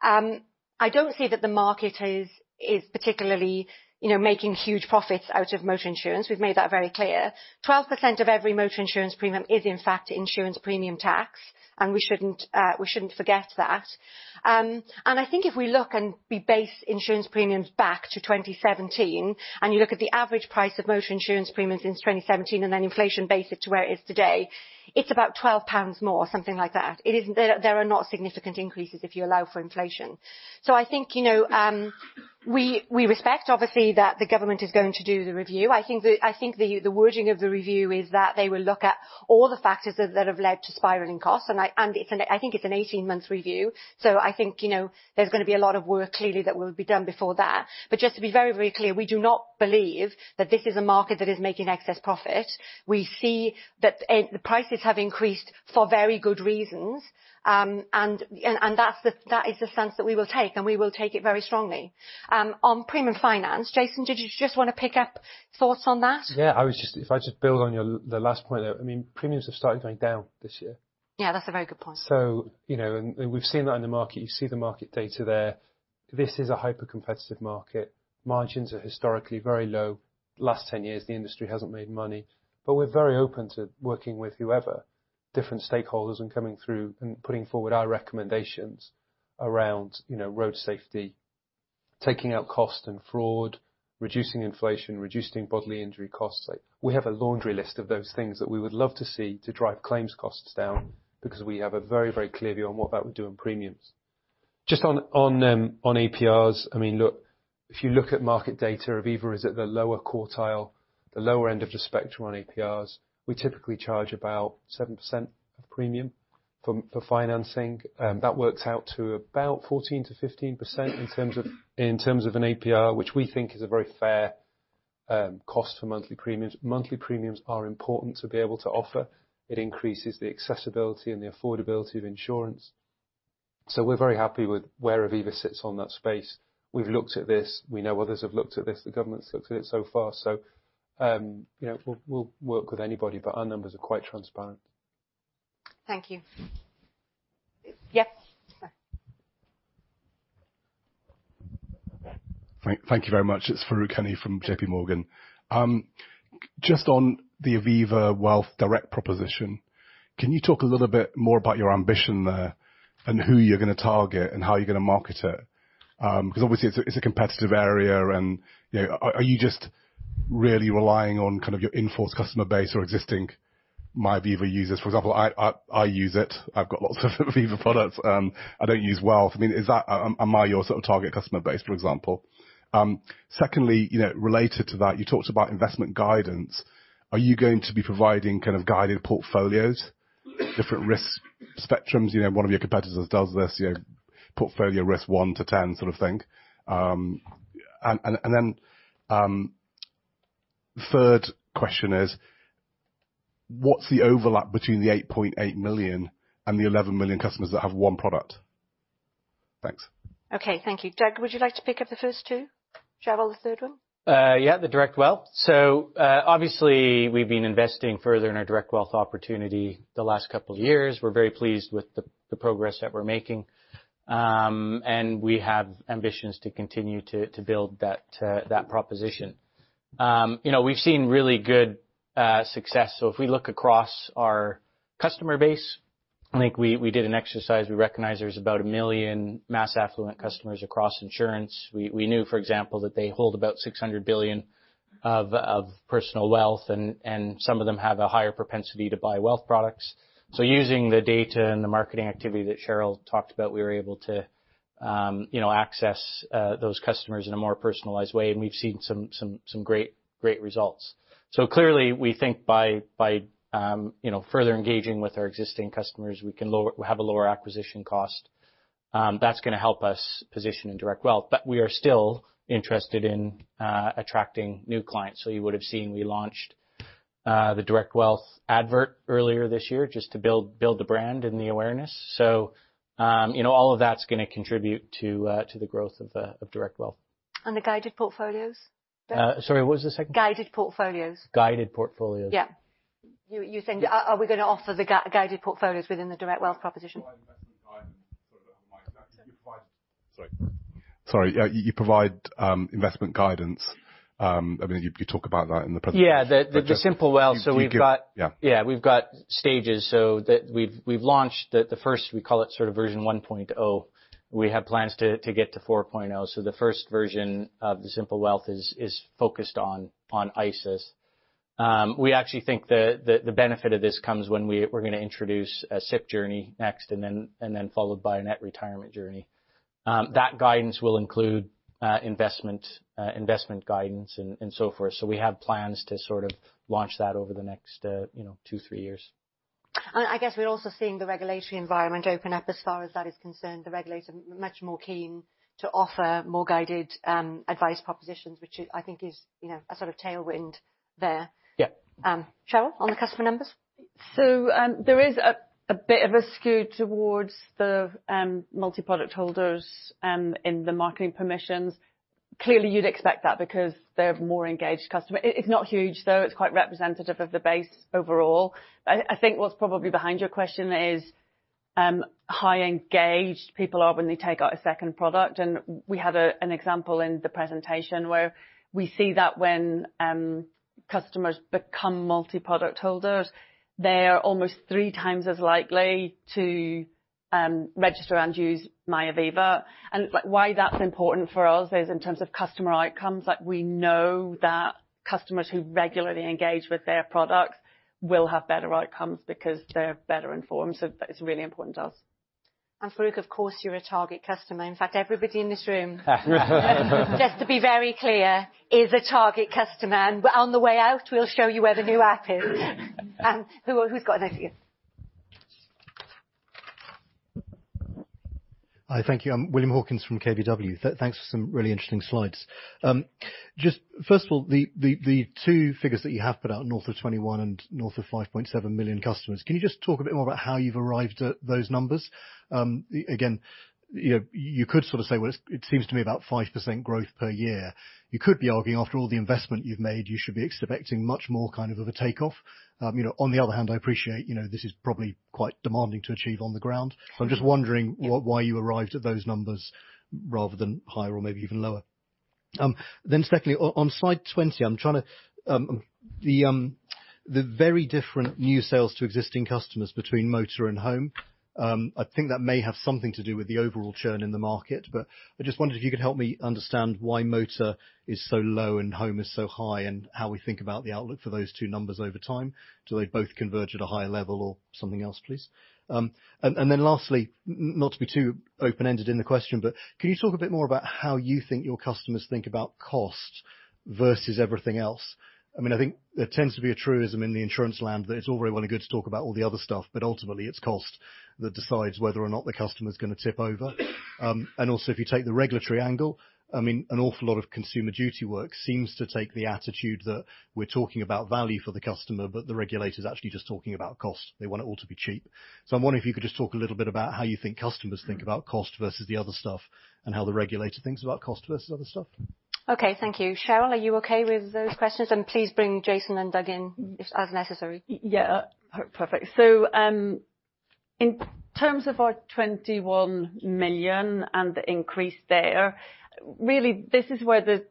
Speaker 1: I don't see that the market is particularly making huge profits out of motor insurance. We've made that very clear. 12% of every motor insurance premium is, in fact, insurance premium tax, and we shouldn't forget that. I think if we look and we base insurance premiums back to 2017, and you look at the average price of motor insurance premiums in 2017, and then inflation base it to where it is today, it's about 12 pounds more, something like that. There are not significant increases if you allow for inflation. I think we respect, obviously, that the government is going to do the review. I think the wording of the review is that they will look at all the factors that have led to spiraling costs. I think it's an 18-month review. So I think there's going to be a lot of work clearly that will be done before that. But just to be very, very clear, we do not believe that this is a market that is making excess profit. We see that the prices have increased for very good reasons. And that is the stance that we will take, and we will take it very strongly. On premium finance, Jason, did you just want to pick up thoughts on that?
Speaker 4: Yeah, if I just build on the last point there, I mean, premiums have started going down this year.
Speaker 1: Yeah, that's a very good point.
Speaker 4: So we've seen that in the market. You see the market data there. This is a hyper-competitive market. Margins are historically very low. Last 10 years, the industry hasn't made money. But we're very open to working with whoever, different stakeholders, and coming through and putting forward our recommendations around road safety, taking out cost and fraud, reducing inflation, reducing bodily injury costs. We have a laundry list of those things that we would love to see to drive claims costs down because we have a very, very clear view on what that would do in premiums. Just on APRs, I mean, look, if you look at market data, Aviva is at the lower quartile, the lower end of the spectrum on APRs. We typically charge about 7% of premium for financing. That works out to about 14%-15% in terms of an APR, which we think is a very fair cost for monthly premiums. Monthly premiums are important to be able to offer. It increases the accessibility and the affordability of insurance. So we're very happy with where Aviva sits on that space. We've looked at this. We know others have looked at this. The government's looked at it so far. So we'll work with anybody, but our numbers are quite transparent.
Speaker 1: Thank you. Yep.
Speaker 8: Thank you very much. It's Farooq Hanif from JPMorgan. Just on the Aviva Wealth Direct proposition, can you talk a little bit more about your ambition there and who you're going to target and how you're going to market it? Because obviously, it's a competitive area. Are you just really relying on kind of your in-force customer base or existing MyAviva users? For example, I use it. I've got lots of Aviva products. I don't use Wealth. I mean, am I your sort of target customer base, for example? Secondly, related to that, you talked about investment guidance. Are you going to be providing kind of Guided Portfolios, different risk spectrums? One of your competitors does this, portfolio risk one to ten sort of thing. Then the third question is, what's the overlap between the 8.8 million and the 11 million customers that have one product? Thanks.
Speaker 1: Okay, thank you. Doug, would you like to pick up the first two? Should I have the third one?
Speaker 3: Yeah, the Direct wealth. So obviously, we've been investing further in our Direct Wealth opportunity the last couple of years. We're very pleased with the progress that we're making. And we have ambitions to continue to build that proposition. We've seen really good success. So if we look across our customer base, I think we did an exercise. We recognize there's about one million mass affluent customers across insurance. We knew, for example, that they hold about 600 billion of personal wealth, and some of them have a higher propensity to buy wealth products. So using the data and the marketing activity that Cheryl talked about, we were able to access those customers in a more personalized way. And we've seen some great results. So clearly, we think by further engaging with our existing customers, we can have a lower acquisition cost. That's going to help us position in Direct Wealth. But we are still interested in attracting new clients. So you would have seen we launched the Direct Wealth ad earlier this year just to build the brand and the awareness. So all of that's going to contribute to the growth of Direct Wealth.
Speaker 1: The Guided Portfolios?
Speaker 3: Sorry, what was the second?
Speaker 1: Guided Portfolios.
Speaker 3: Guided Portfolios.
Speaker 1: Yeah. You're saying, are we going to offer the Guided Portfolios within the Direct Wealth proposition?
Speaker 8: Sorry. You provide investment guidance. I mean, you talk about that in the presentation.
Speaker 3: Yeah, the Simple Wealth. So we've got stages. So we've launched the first, we call it sort of version 1.0. We have plans to get to 4.0. So the first version of the Simple Wealth is focused on ISAs. We actually think the benefit of this comes when we're going to introduce a SIPP journey next, and then followed by a new retirement journey. That guidance will include investment guidance and so forth. So we have plans to sort of launch that over the next two, three years.
Speaker 1: I guess we're also seeing the regulatory environment open up as far as that is concerned. The regulator is much more keen to offer more guided advice propositions, which I think is a sort of tailwind there. Cheryl, on the customer numbers?
Speaker 2: So there is a bit of a skew towards the multi-product holders in the marketing permissions. Clearly, you'd expect that because they're more engaged customers. It's not huge, though. It's quite representative of the base overall. I think what's probably behind your question is how engaged people are when they take out a second product. And we had an example in the presentation where we see that when customers become multi-product holders, they are almost three times as likely to register and use MyAviva. And why that's important for us is in terms of customer outcomes. We know that customers who regularly engage with their products will have better outcomes because they're better informed. So that is really important to us.
Speaker 1: Farooq, of course, you're a target customer. In fact, everybody in this room, just to be very clear, is a target customer. On the way out, we'll show you where the new app is. Who's got another view?
Speaker 9: Hi, thank you. I'm William Hawkins from KBW. Thanks for some really interesting slides. Just first of all, the two figures that you have put out, north of 21 and north of 5.7 million customers, can you just talk a bit more about how you've arrived at those numbers? Again, you could sort of say, well, it seems to me about 5% growth per year. You could be arguing, after all the investment you've made, you should be expecting much more kind of a takeoff. On the other hand, I appreciate this is probably quite demanding to achieve on the ground. So I'm just wondering why you arrived at those numbers rather than higher or maybe even lower. Then secondly, on slide 20, I'm trying to the very different new sales to existing customers between motor and home. I think that may have something to do with the overall churn in the market. But I just wondered if you could help me understand why motor is so low and home is so high and how we think about the outlook for those two numbers over time. Do they both converge at a higher level or something else, please? And then lastly, not to be too open-ended in the question, but can you talk a bit more about how you think your customers think about cost versus everything else? I mean, I think there tends to be a truism in the insurance land that it's all very well and good to talk about all the other stuff, but ultimately, it's cost that decides whether or not the customer is going to tip over. And also, if you take the regulatory angle, I mean, an awful lot of Consumer Duty work seems to take the attitude that we're talking about value for the customer, but the regulator is actually just talking about cost. They want it all to be cheap. So I'm wondering if you could just talk a little bit about how you think customers think about cost versus the other stuff and how the regulator thinks about cost versus other stuff.
Speaker 1: Okay, thank you. Cheryl, are you okay with those questions? Please bring Jason and Doug in as necessary.
Speaker 2: Yeah, perfect. So in terms of our 21 million and the increase there, really, this is where the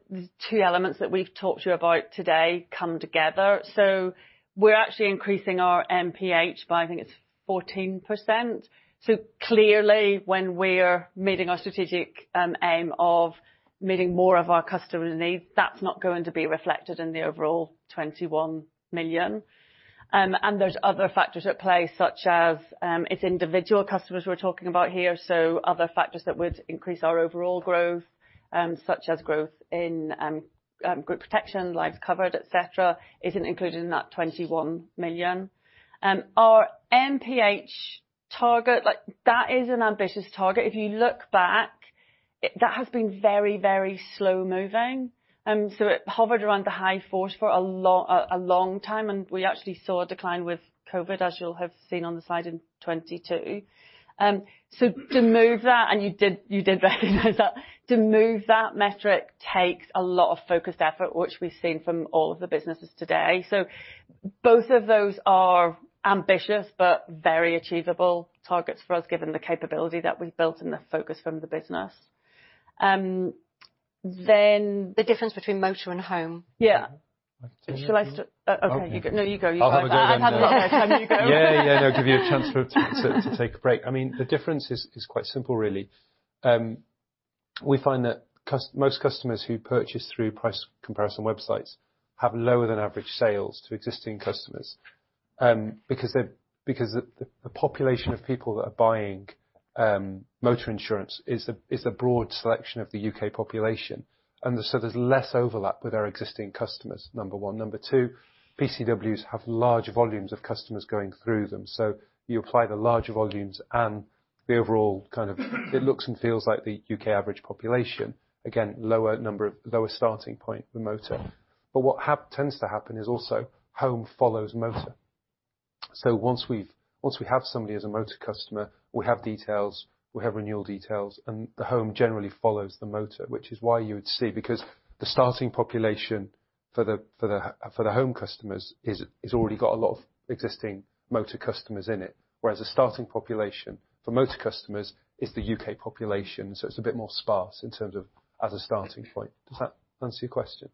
Speaker 2: two elements that we've talked to you about today come together. So we're actually increasing our MPH by, I think it's 14%. So clearly, when we're meeting our strategic aim of meeting more of our customer needs, that's not going to be reflected in the overall 21 million. And there's other factors at play, such as it's individual customers we're talking about here. So other factors that would increase our overall growth, such as growth in group protection, lives covered, etc., isn't included in that 21 million. Our MPH target, that is an ambitious target. If you look back, that has been very, very slow moving. So it hovered around the high fours for a long time. We actually saw a decline with COVID, as you'll have seen on the slide in 22. So to move that, and you did recognize that, to move that metric takes a lot of focused effort, which we've seen from all of the businesses today. So both of those are ambitious, but very achievable targets for us, given the capability that we've built and the focus from the business.
Speaker 1: The difference between motor and home.
Speaker 2: Yeah. Okay, you go. No, you go. I'll have a go at it. I'll have a look at it. Can you go?
Speaker 4: Yeah, yeah, no, give you a chance to take a break. I mean, the difference is quite simple, really. We find that most customers who purchase through price comparison websites have lower than average sales to existing customers because the population of people that are buying motor insurance is a broad selection of the U.K. population. And so there's less overlap with our existing customers, number one. Number two, PCWs have large volumes of customers going through them. So you apply the larger volumes and the overall kind of it looks and feels like the U.K. average population. Again, lower starting point, the motor. But what tends to happen is also home follows motor. Once we have somebody as a motor customer, we have details, we have renewal details, and the home generally follows the motor, which is why you would see because the starting population for the home customers has already got a lot of existing motor customers in it, whereas the starting population for motor customers is the U.K. population. So it's a bit more sparse in terms of as a starting point. Does that answer your question?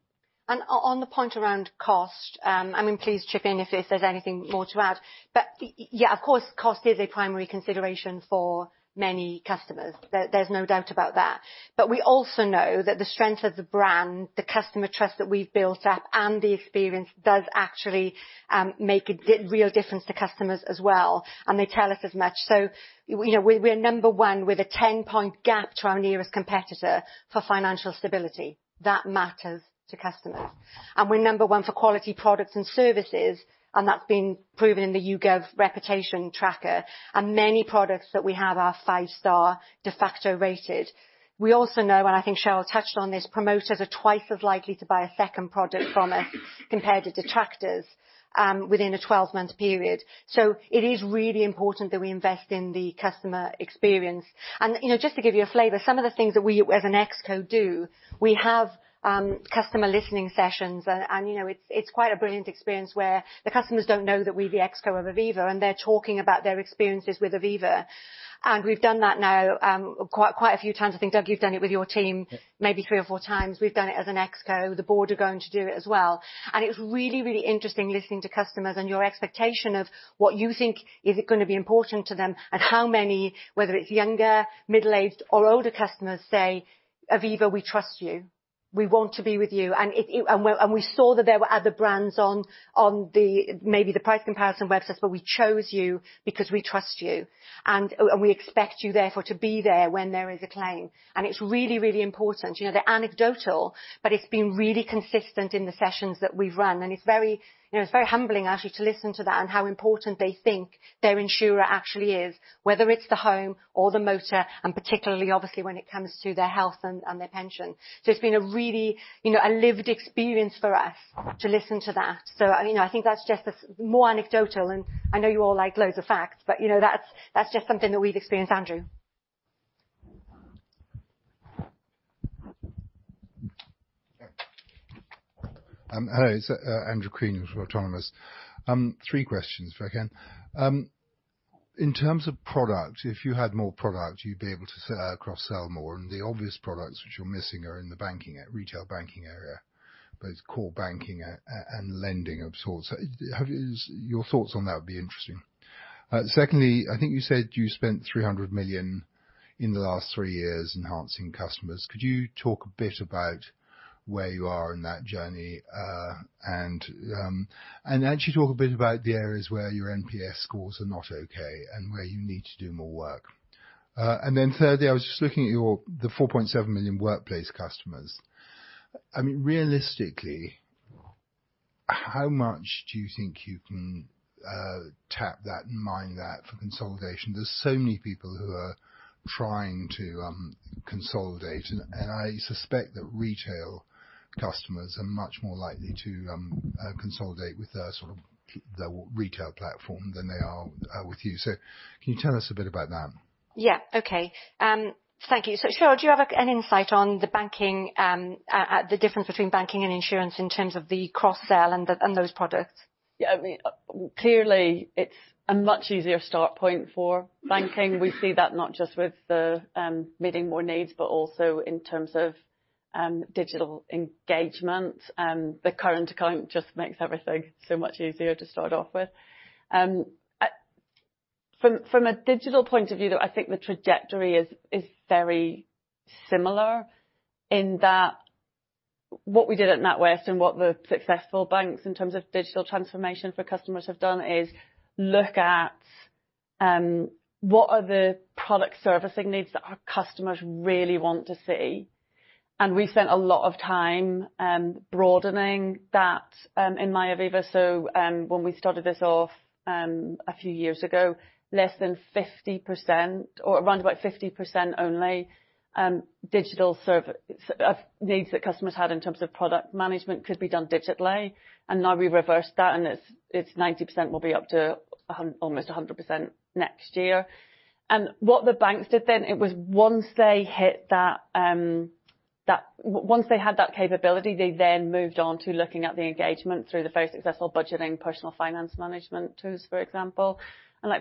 Speaker 1: And on the point around cost, I mean, please chip in if there's anything more to add. But yeah, of course, cost is a primary consideration for many customers. There's no doubt about that. But we also know that the strength of the brand, the customer trust that we've built up, and the experience does actually make a real difference to customers as well. And they tell us as much. So we're number one with a 10-point gap to our nearest competitor for financial stability. That matters to customers. And we're number one for quality products and services. And that's been proven in the YouGov reputation tracker. And many products that we have are five-star Defaqto rated. We also know, and I think Cheryl touched on this, promoters are twice as likely to buy a second product from us compared to detractors within a 12-month period. It is really important that we invest in the customer experience. Just to give you a flavor, some of the things that we as an ExCo do, we have customer listening sessions. It's quite a brilliant experience where the customers don't know that we're the ExCo of Aviva, and they're talking about their experiences with Aviva. We've done that now quite a few times. I think, Doug, you've done it with your team maybe three or four times. We've done it as an ExCo. The board are going to do it as well. It's really, really interesting listening to customers and your expectation of what you think is going to be important to them and how many, whether it's younger, middle-aged, or older customers say, "Aviva, we trust you. We want to be with you." And we saw that there were other brands on maybe the price comparison websites, but we chose you because we trust you. And we expect you, therefore, to be there when there is a claim. And it's really, really important. They're anecdotal, but it's been really consistent in the sessions that we've run. And it's very humbling, actually, to listen to that and how important they think their insurer actually is, whether it's the home or the motor, and particularly, obviously, when it comes to their health and their pension. So it's been a lived experience for us to listen to that. So I think that's just more anecdotal. And I know you all like loads of facts, but that's just something that we've experienced. Andrew.
Speaker 10: Hello, it's Andrew Crean from Autonomous. Three questions if I can. In terms of product, if you had more product, you'd be able to cross-sell more. And the obvious products which you're missing are in the banking, retail banking area, both core banking and lending of sorts. Your thoughts on that would be interesting. Secondly, I think you said you spent 300 million in the last three years enhancing customers. Could you talk a bit about where you are in that journey and actually talk a bit about the areas where your NPS scores are not okay and where you need to do more work? And then thirdly, I was just looking at the 4.7 million workplace customers. I mean, realistically, how much do you think you can tap that and mine that for consolidation? There's so many people who are trying to consolidate. I suspect that retail customers are much more likely to consolidate with their sort of retail platform than they are with you. Can you tell us a bit about that?
Speaker 1: Yeah, okay. Thank you. So Cheryl, do you have an insight on the difference between banking and insurance in terms of the cross-sell and those products?
Speaker 2: Yeah, I mean, clearly, it's a much easier start point for banking. We see that not just with meeting more needs, but also in terms of digital engagement. The current account just makes everything so much easier to start off with. From a digital point of view, though, I think the trajectory is very similar in that what we did at NatWest and what the successful banks in terms of digital transformation for customers have done is look at what are the product servicing needs that our customers really want to see. And we've spent a lot of time broadening that in MyAviva. So when we started this off a few years ago, less than 50% or around about 50% only digital needs that customers had in terms of product management could be done digitally. And now we've reversed that, and it's 90% will be up to almost 100% next year. And what the banks did then, it was once they hit that, once they had that capability, they then moved on to looking at the engagement through the very successful budgeting personal finance management tools, for example. And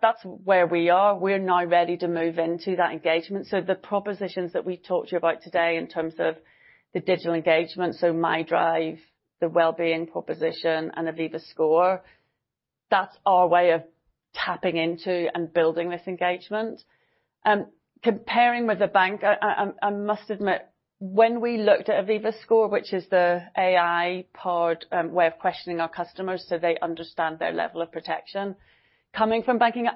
Speaker 2: that's where we are. We're now ready to move into that engagement. So the propositions that we talked to you about today in terms of the digital engagement, so MyDrive, the well-being proposition, and Aviva Score, that's our way of tapping into and building this engagement. Comparing with a bank, I must admit, when we looked at Aviva Score, which is the AI-powered way of questioning our customers so they understand their level of protection coming from banking,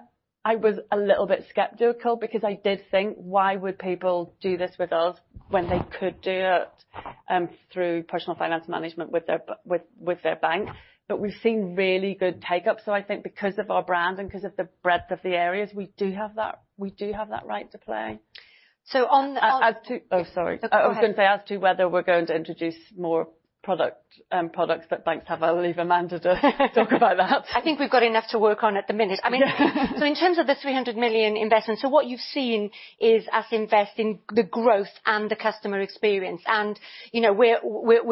Speaker 2: I was a little bit skeptical because I did think, why would people do this with us when they could do it through personal finance management with their bank? But we've seen really good take-up. So I think because of our brand and because of the breadth of the areas, we do have that right to play.
Speaker 1: So on.
Speaker 2: Oh, sorry. I was going to say as to whether we're going to introduce more products that banks have, I'll leave Amanda to talk about that.
Speaker 1: I think we've got enough to work on at the minute. I mean, so in terms of the 300 million investment, so what you've seen is us invest in the growth and the customer experience. And we're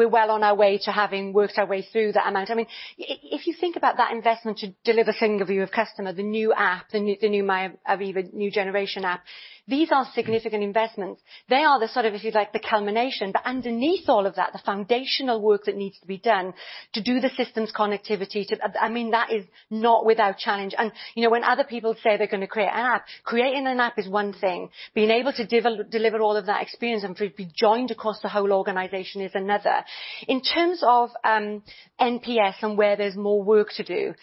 Speaker 1: well on our way to having worked our way through that amount. I mean, if you think about that investment to deliver Single View of Customer, the new app, the new MyAviva, new generation app, these are significant investments. They are the sort of, if you'd like, the culmination. But underneath all of that, the foundational work that needs to be done to do the systems connectivity, I mean, that is not without challenge. And when other people say they're going to create an app, creating an app is one thing. Being able to deliver all of that experience and be joined across the whole organization is another. In terms of NPS and where there's more work to do,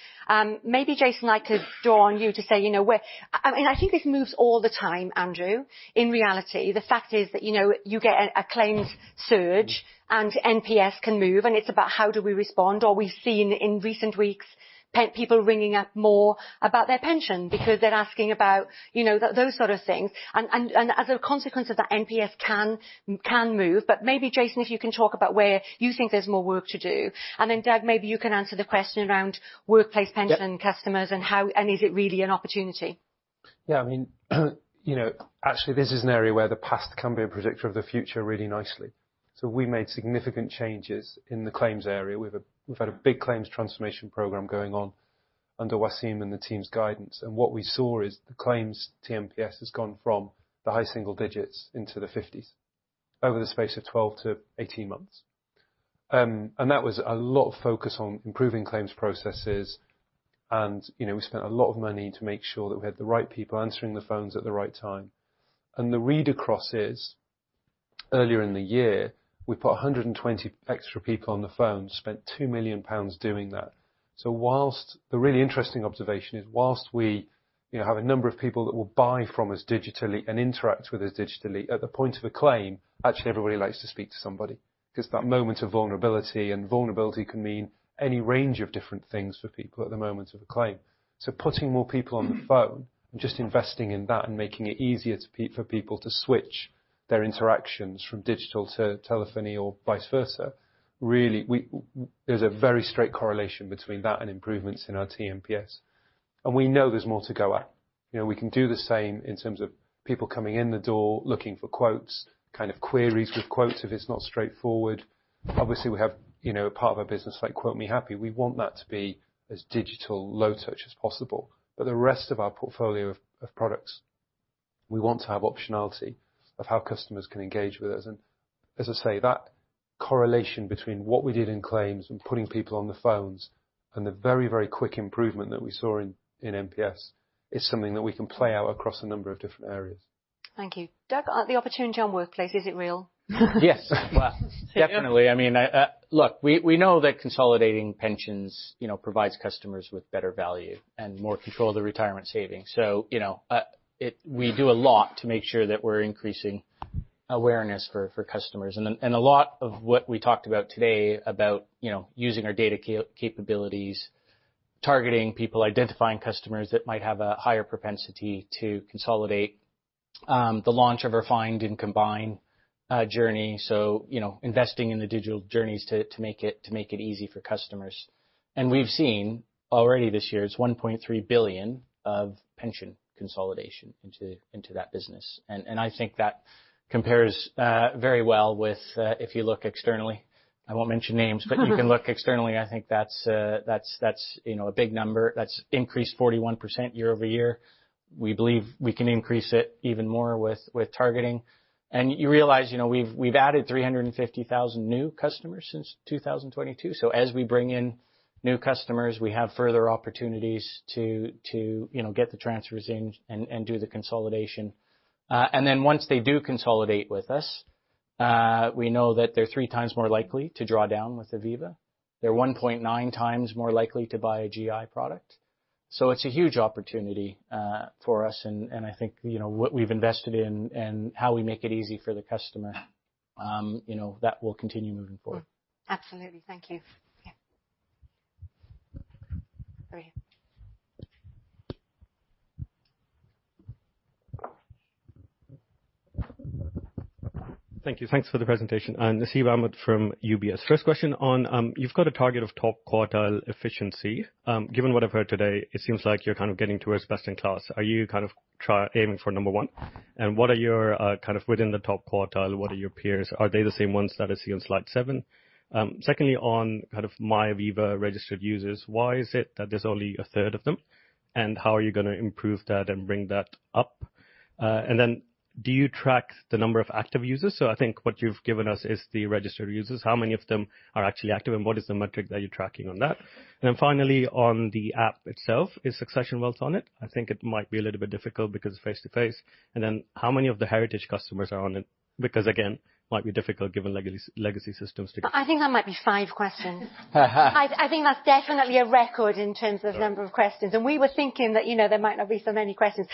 Speaker 1: maybe Jason and I could draw on you to say, I mean, I think this moves all the time, Andrew. In reality, the fact is that you get a claims surge and NPS can move. And it's about how do we respond? Or we've seen in recent weeks, people ringing up more about their pension because they're asking about those sort of things. And as a consequence of that, NPS can move. But maybe, Jason, if you can talk about where you think there's more work to do. And then, Doug, maybe you can answer the question around workplace pension customers and is it really an opportunity?
Speaker 4: Yeah, I mean, actually, this is an area where the past can be a predictor of the future really nicely. So we made significant changes in the claims area. We've had a big claims transformation program going on under Waseem and the team's guidance. And what we saw is the claims tNPS has gone from the high single digits into the 50s over the space of 12-18 months. And that was a lot of focus on improving claims processes. And we spent a lot of money to make sure that we had the right people answering the phones at the right time. And the read across is earlier in the year, we put 120 extra people on the phone, spent 2 million pounds doing that. So the really interesting observation is while we have a number of people that will buy from us digitally and interact with us digitally, at the point of a claim, actually everybody likes to speak to somebody because that moment of vulnerability and vulnerability can mean any range of different things for people at the moment of a claim. So putting more people on the phone and just investing in that and making it easier for people to switch their interactions from digital to telephony or vice versa, really, there's a very straight correlation between that and improvements in our tNPS. And we know there's more to go at. We can do the same in terms of people coming in the door looking for quotes, kind of queries with quotes if it's not straightforward. Obviously, we have a part of our business like Quotemehappy. We want that to be as digital, low touch as possible. But the rest of our portfolio of products, we want to have optionality of how customers can engage with us. And as I say, that correlation between what we did in claims and putting people on the phones and the very, very quick improvement that we saw in NPS is something that we can play out across a number of different areas.
Speaker 1: Thank you. Doug, the opportunity on workplace, is it real?
Speaker 3: Yes, well, definitely. I mean, look, we know that consolidating pensions provides customers with better value and more control of the retirement savings. So we do a lot to make sure that we're increasing awareness for customers. And a lot of what we talked about today about using our data capabilities, targeting people, identifying customers that might have a higher propensity to consolidate, the launch of our Find and Combine journey, so investing in the digital journeys to make it easy for customers. And we've seen already this year, it's 1.3 billion of pension consolidation into that business. And I think that compares very well with if you look externally. I won't mention names, but you can look externally. I think that's a big number. That's increased 41% year-over-year. We believe we can increase it even more with targeting. You realize we've added 350,000 new customers since 2022. As we bring in new customers, we have further opportunities to get the transfers in and do the consolidation. Once they do consolidate with us, we know that they're three times more likely to draw down with Aviva. They're 1.9 times more likely to buy a GI product. It's a huge opportunity for us. I think what we've invested in and how we make it easy for the customer, that will continue moving forward.
Speaker 1: Absolutely. Thank you.
Speaker 11: Thank you. Thanks for the presentation. Nasib Ahmed from UBS. First question on, you've got a target of top quartile efficiency. Given what I've heard today, it seems like you're kind of getting to us best in class. Are you kind of aiming for number one? And what are your kind of within the top quartile, what are your peers? Are they the same ones that I see on slide seven? Secondly, on kind of MyAviva registered users, why is it that there's only 1/3 of them? And how are you going to improve that and bring that up? And then do you track the number of active users? So I think what you've given us is the registered users. How many of them are actually active? And what is the metric that you're tracking on that? And then finally, on the app itself, is Succession Wealth on it? I think it might be a little bit difficult because it's face-to-face. And then how many of the Heritage customers are on it? Because again, it might be difficult given legacy systems.
Speaker 1: I think that might be five questions. I think that's definitely a record in terms of number of questions. And we were thinking that there might not be so many questions.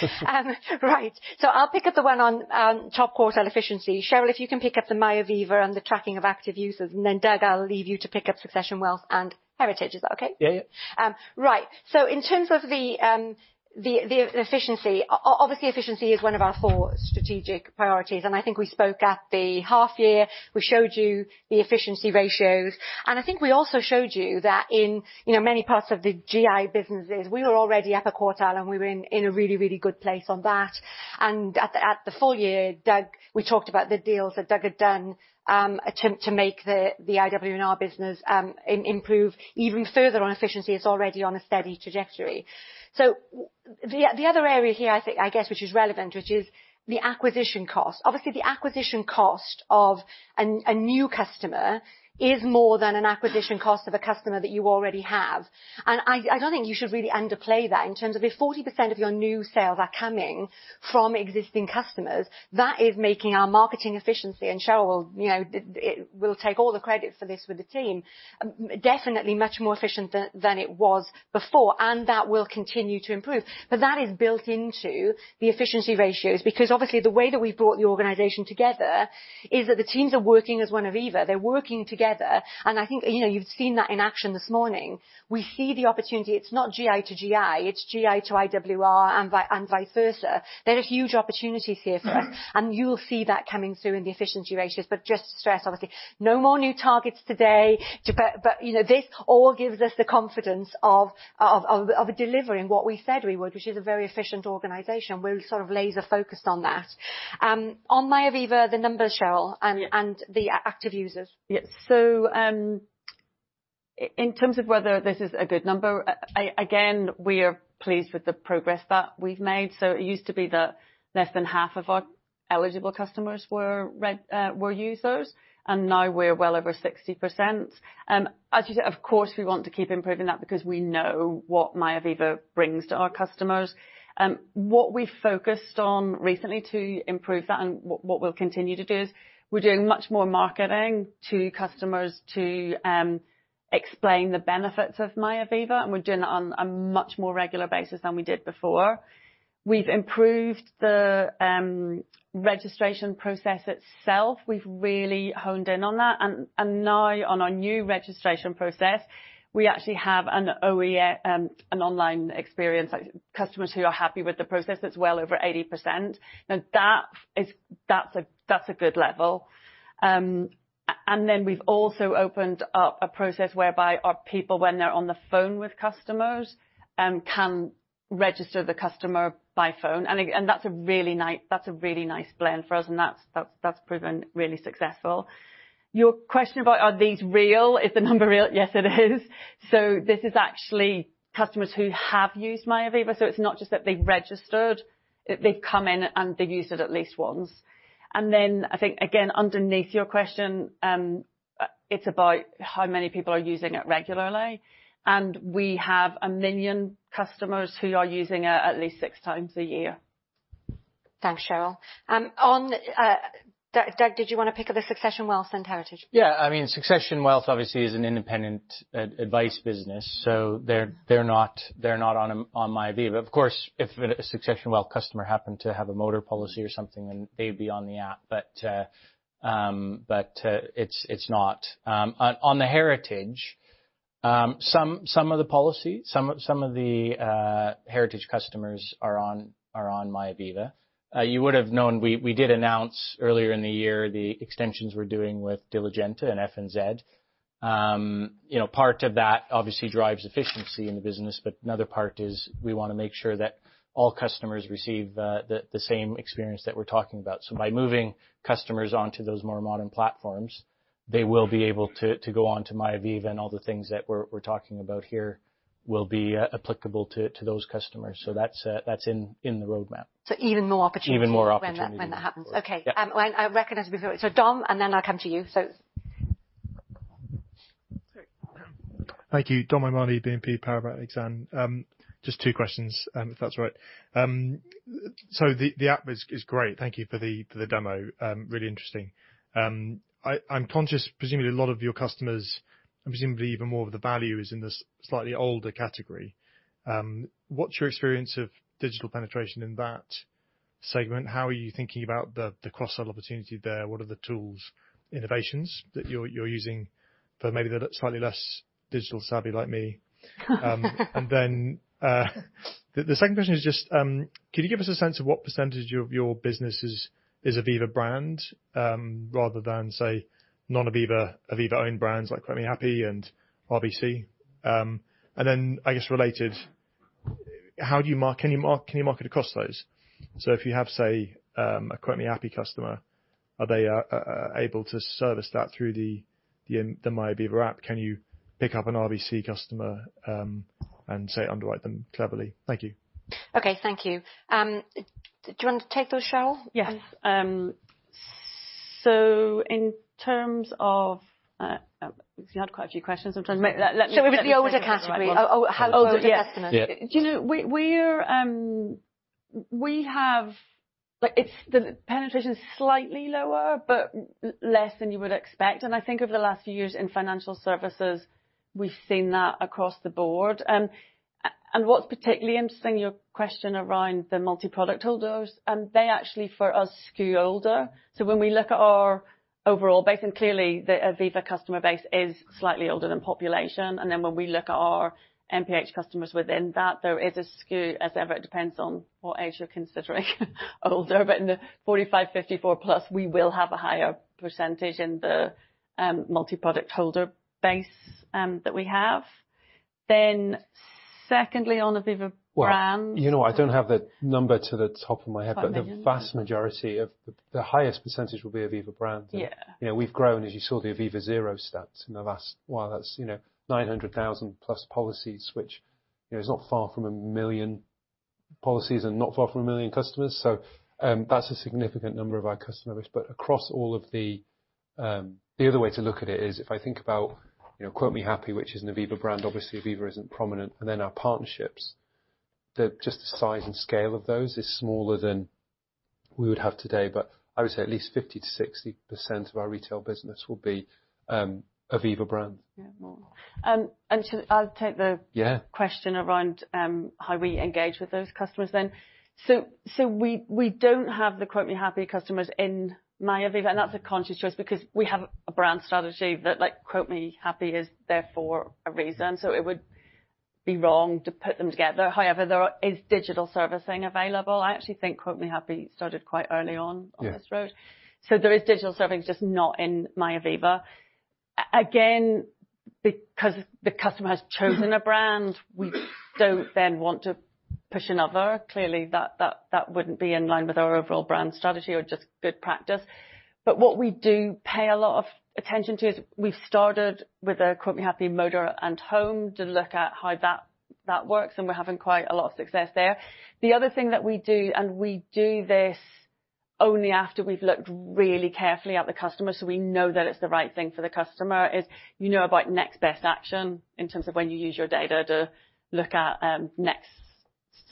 Speaker 1: Right. So I'll pick up the one on top quartile efficiency. Cheryl, if you can pick up the MyAviva and the tracking of active users. And then Doug, I'll leave you to pick up Succession Wealth and Heritage. Is that okay?
Speaker 3: Yeah, yeah.
Speaker 1: Right. So in terms of the efficiency, obviously efficiency is one of our four strategic priorities. And I think we spoke at the half year. We showed you the efficiency ratios. And I think we also showed you that in many parts of the GI businesses, we were already up a quartile and we were in a really, really good place on that. And at the full year, Doug, we talked about the deals that Doug had done to make the IWR and our business improve even further on efficiency. It's already on a steady trajectory. So the other area here, I guess, which is relevant, which is the acquisition cost. Obviously, the acquisition cost of a new customer is more than an acquisition cost of a customer that you already have. And I don't think you should really underplay that in terms of if 40% of your new sales are coming from existing customers. That is making our marketing efficiency. And Cheryl will take all the credit for this with the team. Definitely much more efficient than it was before. And that will continue to improve. But that is built into the efficiency ratios because obviously the way that we've brought the organization together is that the teams are working as one Aviva. They're working together. And I think you've seen that in action this morning. We see the opportunity. It's not GI to GI. It's GI to IWR and vice versa. There are huge opportunities here for us. And you'll see that coming through in the efficiency ratios. But just to stress, obviously, no more new targets today. But this all gives us the confidence of delivering what we said we would, which is a very efficient organization. We're sort of laser-focused on that. On MyAviva, the numbers, Cheryl, and the active users.
Speaker 2: Yeah. So in terms of whether this is a good number, again, we are pleased with the progress that we've made. So it used to be that less than half of our eligible customers were users. And now we're well over 60%. As you said, of course, we want to keep improving that because we know what MyAviva brings to our customers. What we focused on recently to improve that and what we'll continue to do is we're doing much more marketing to customers to explain the benefits of MyAviva. And we're doing that on a much more regular basis than we did before. We've improved the registration process itself. We've really honed in on that. And now on our new registration process, we actually have an online experience. Customers who are happy with the process, it's well over 80%. Now, that's a good level. We've also opened up a process whereby our people, when they're on the phone with customers, can register the customer by phone. That's a really nice blend for us. That's proven really successful. Your question about are these real? Is the number real? Yes, it is. So this is actually customers who have used MyAviva. So it's not just that they've registered. They've come in and they've used it at least once. I think, again, underneath your question, it's about how many people are using it regularly. We have one million customers who are using it at least six times a year.
Speaker 1: Thanks, Cheryl. Doug, did you wat to pick up the Succession Wealth and Heritage?
Speaker 3: Yeah. I mean, Succession Wealth obviously is an independent advice business. So they're not on MyAviva. Of course, if a Succession Wealth customer happened to have a motor policy or something, then they'd be on the app. But it's not. On the Heritage, some of the policy, some of the Heritage customers are on MyAviva. You would have known we did announce earlier in the year the extensions we're doing with Diligenta and FNZ. Part of that obviously drives efficiency in the business. But another part is we want to make sure that all customers receive the same experience that we're talking about. So by moving customers onto those more modern platforms, they will be able to go on to MyAviva. And all the things that we're talking about here will be applicable to those customers. So that's in the roadmap.
Speaker 1: So even more opportunities when that happens. Okay. I recognize we've heard it. So Dom, and then I'll come to you.
Speaker 12: Thank you. Dominic O'Mahony, BNP Paribas Exane. Just two questions, if that's all right. So the app is great. Thank you for the demo. Really interesting. I'm conscious, presumably a lot of your customers, and presumably even more of the value is in the slightly older category. What's your experience of digital penetration in that segment? How are you thinking about the cross-sell opportunity there? What are the tools, innovations that you're using for maybe the slightly less digital savvy like me? And then the second question is just, can you give us a sense of what percentage of your business is Aviva brand rather than, say, non-Aviva owned brands like Quotemehappy and RBC? And then, I guess, related, can you market across those? So if you have, say, a Quotemehappy customer, are they able to service that through the MyAviva app? Can you pick up an RBC customer and, say, underwrite them cleverly? Thank you.
Speaker 1: Okay. Thank you. Do you want to take those, Cheryl?
Speaker 2: Yes. So in terms of we've had quite a few questions.
Speaker 1: It was the older category.
Speaker 2: We have the penetration is slightly lower, but less than you would expect. And I think over the last few years in financial services, we've seen that across the board. And what's particularly interesting, your question around the multi-product holders, they actually, for us, skew older. So when we look at our overall base, and clearly the Aviva customer base is slightly older than population. And then when we look at our MPH customers within that, there is a skew, as ever. It depends on what age you're considering older. But in the 45-54+, we will have a higher percentage in the multi-product holder base that we have. Then secondly, on Aviva brands.
Speaker 4: You know, I don't have that number to the top of my head, but the vast majority of the highest percentage will be Aviva brands. We've grown, as you saw, the Aviva Zero stats in the last, well, that's 900,000+ policies, which is not far from one million policies and not far from one million customers. So that's a significant number of our customer base. But across all of the other way to look at it is if I think about Quotemehappy, which is an Aviva brand, obviously Aviva isn't prominent. And then our partnerships, just the size and scale of those is smaller than we would have today. But I would say at least 50%-60% of our retail business will be Aviva brands.
Speaker 2: Yeah, more. And I'll take the question around how we engage with those customers then. So we don't have the Quotemehappy customers in MyAviva. And that's a conscious choice because we have a brand strategy that Quotemehappy is there for a reason. So it would be wrong to put them together. However, there is digital servicing available. I actually think Quotemehappy started quite early on this road. So there is digital servicing, just not in MyAviva. Again, because the customer has chosen a brand, we don't then want to push another. Clearly, that wouldn't be in line with our overall brand strategy or just good practice. But what we do pay a lot of attention to is we've started with a Quotemehappy motor and home to look at how that works. And we're having quite a lot of success there. The other thing that we do, and we do this only after we've looked really carefully at the customer so we know that it's the right thing for the customer, is, you know, about next best action in terms of when you use your data to look at next,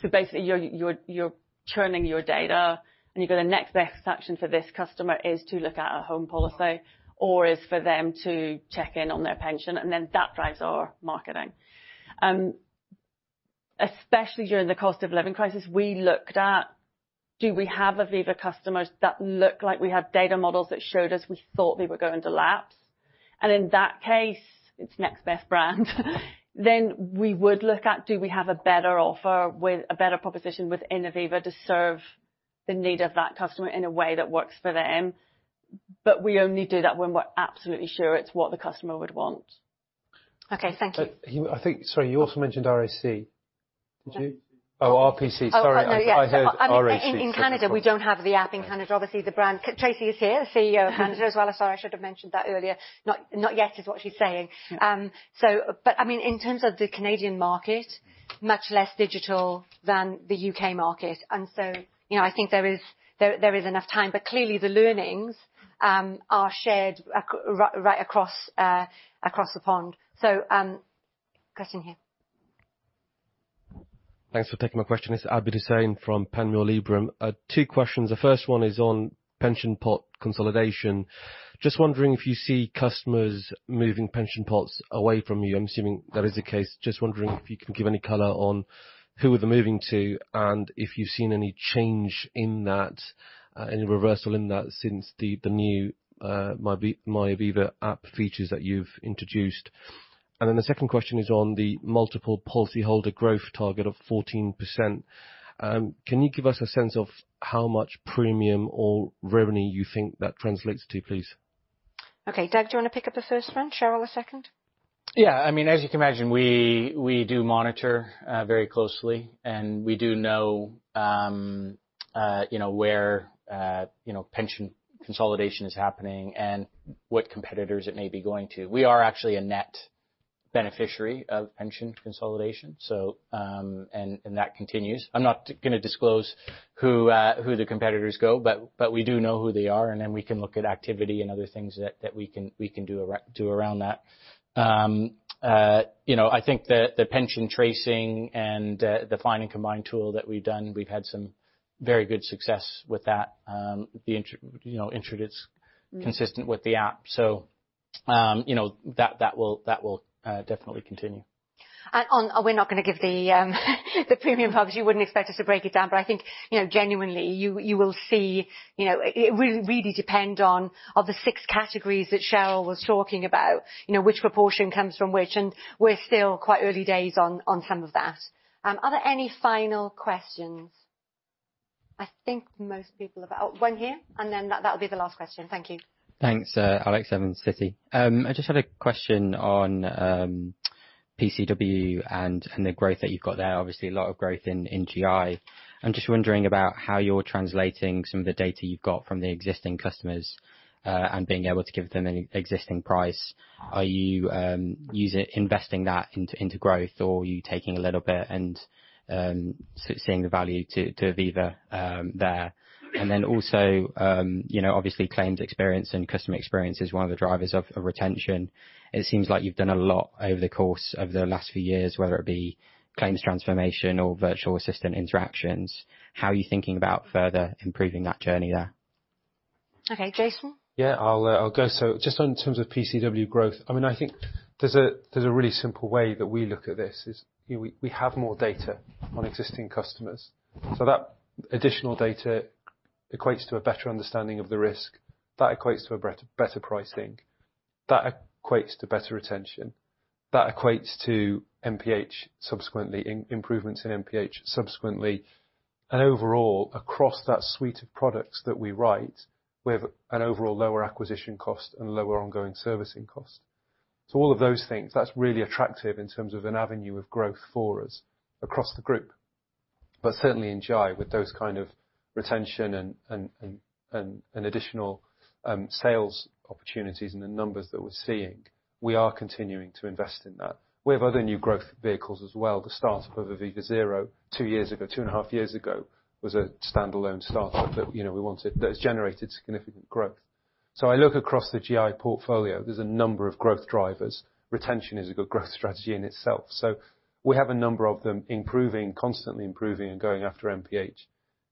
Speaker 2: so basically you're churning your data. And you go, the next best action for this customer is to look at a home policy or is for them to check in on their pension. And then that drives our marketing. Especially during the cost of living crisis, we looked at, do we have Aviva customers that look like we have data models that showed us we thought they were going to lapse? And in that case, it's next best brand. Then we would look at, do we have a better offer, a better proposition within Aviva to serve the need of that customer in a way that works for them? But we only do that when we're absolutely sure it's what the customer would want.
Speaker 1: Okay. Thank you.
Speaker 12: I think, sorry, you also mentioned RAC. Did you? Oh, RBC. Sorry. I heard RAC.
Speaker 1: In Canada, we don't have the app in Canada. Obviously, the brand, Tracy is here, the CEO of Canada as well. Sorry, I should have mentioned that earlier. Not yet is what she's saying. But I mean, in terms of the Canadian market, much less digital than the U.K. market. And so I think there is enough time. But clearly, the learnings are shared right across the pond. So question here.
Speaker 13: Thanks for taking my question. It's Abid Hussain from Panmure Liberum. Two questions. The first one is on pension pot consolidation. Just wondering if you see customers moving pension pots away from you. I'm assuming that is the case. Just wondering if you can give any color on who are they moving to and if you've seen any change in that, any reversal in that since the new MyAviva app features that you've introduced. And then the second question is on the multiple policyholder growth target of 14%. Can you give us a sense of how much premium or revenue you think that translates to, please?
Speaker 1: Okay. Doug, do you want to pick up the first one? Cheryl, the second?
Speaker 3: Yeah. I mean, as you can imagine, we do monitor very closely. We do know where pension consolidation is happening and what competitors it may be going to. We are actually a net beneficiary of pension consolidation. That continues. I'm not going to disclose who the competitors go. We do know who they are. Then we can look at activity and other things that we can do around that. I think the pension tracing and the Find and Combine tool that we've done, we've had some very good success with that. The intro is consistent with the app. That will definitely continue.
Speaker 1: We're not going to give the premium hugs. You wouldn't expect us to break it down. But I think genuinely, you will see it really depends on the six categories that Cheryl was talking about, which proportion comes from which. And we're still quite early days on some of that. Are there any final questions? I think most people have one here. And then that'll be the last question. Thank you.
Speaker 14: Thanks, Alex Citi. I just had a question on PCW and the growth that you've got there. Obviously, a lot of growth in GI. I'm just wondering about how you're translating some of the data you've got from the existing customers and being able to give them an existing price. Are you investing that into growth or are you taking a little bit and seeing the value to Aviva there? And then also, obviously, claims experience and customer experience is one of the drivers of retention. It seems like you've done a lot over the course of the last few years, whether it be claims transformation or virtual assistant interactions. How are you thinking about further improving that journey there?
Speaker 1: Okay. Jason?
Speaker 4: Yeah. I'll go. So just in terms of PCW growth, I mean, I think there's a really simple way that we look at this is we have more data on existing customers. So that additional data equates to a better understanding of the risk. That equates to a better pricing. That equates to better retention. That equates to MPH, subsequently improvements in MPH, subsequently. And overall, across that suite of products that we write, we have an overall lower acquisition cost and lower ongoing servicing cost. So all of those things, that's really attractive in terms of an avenue of growth for us across the group. But certainly in GI, with those kind of retention and additional sales opportunities and the numbers that we're seeing, we are continuing to invest in that. We have other new growth vehicles as well. The startup of Aviva Zero, two years ago, 2.5 years ago, was a standalone startup that we wanted that has generated significant growth. So I look across the GI portfolio. There's a number of growth drivers. Retention is a good growth strategy in itself. So we have a number of them improving, constantly improving and going after MPH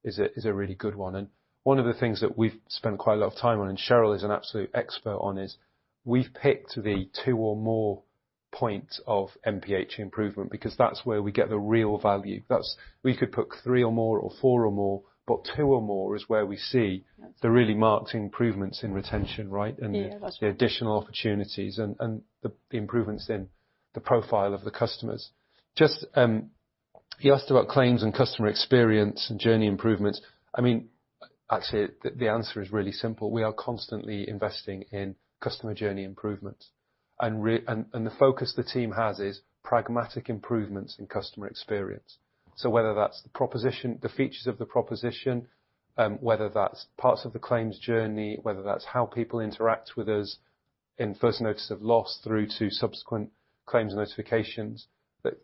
Speaker 4: is a really good one. And one of the things that we've spent quite a lot of time on, and Cheryl is an absolute expert on, is we've picked the two or more points of MPH improvement because that's where we get the real value. We could put three or more or four or more, but two or more is where we see the really marked improvements in retention, right, and the additional opportunities and the improvements in the profile of the customers. Just, you asked about claims and customer experience and journey improvements. I mean, actually, the answer is really simple. We are constantly investing in customer journey improvements. The focus the team has is pragmatic improvements in customer experience. So whether that's the proposition, the features of the proposition, whether that's parts of the claims journey, whether that's how people interact with us in first notice of loss through to subsequent claims notifications,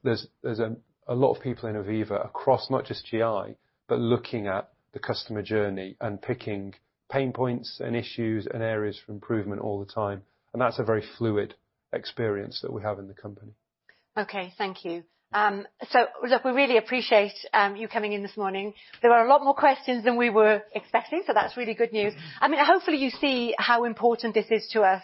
Speaker 4: there's a lot of people in Aviva across not just GI, but looking at the customer journey and picking pain points and issues and areas for improvement all the time. That's a very fluid experience that we have in the company.
Speaker 1: Okay. Thank you. So look, we really appreciate you coming in this morning. There were a lot more questions than we were expecting. That's really good news. I mean, hopefully, you see how important this is to us,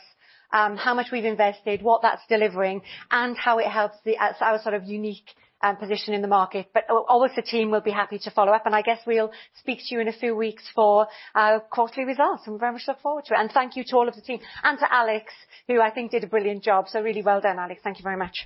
Speaker 1: how much we've invested, what that's delivering, and how it helps our sort of unique position in the market. But obviously, the team will be happy to follow up. I guess we'll speak to you in a few weeks for our quarterly results. We're very much looking forward to it. Thank you to all of the team and to Alex, who I think did a brilliant job. Really well done, Alex. Thank you very much.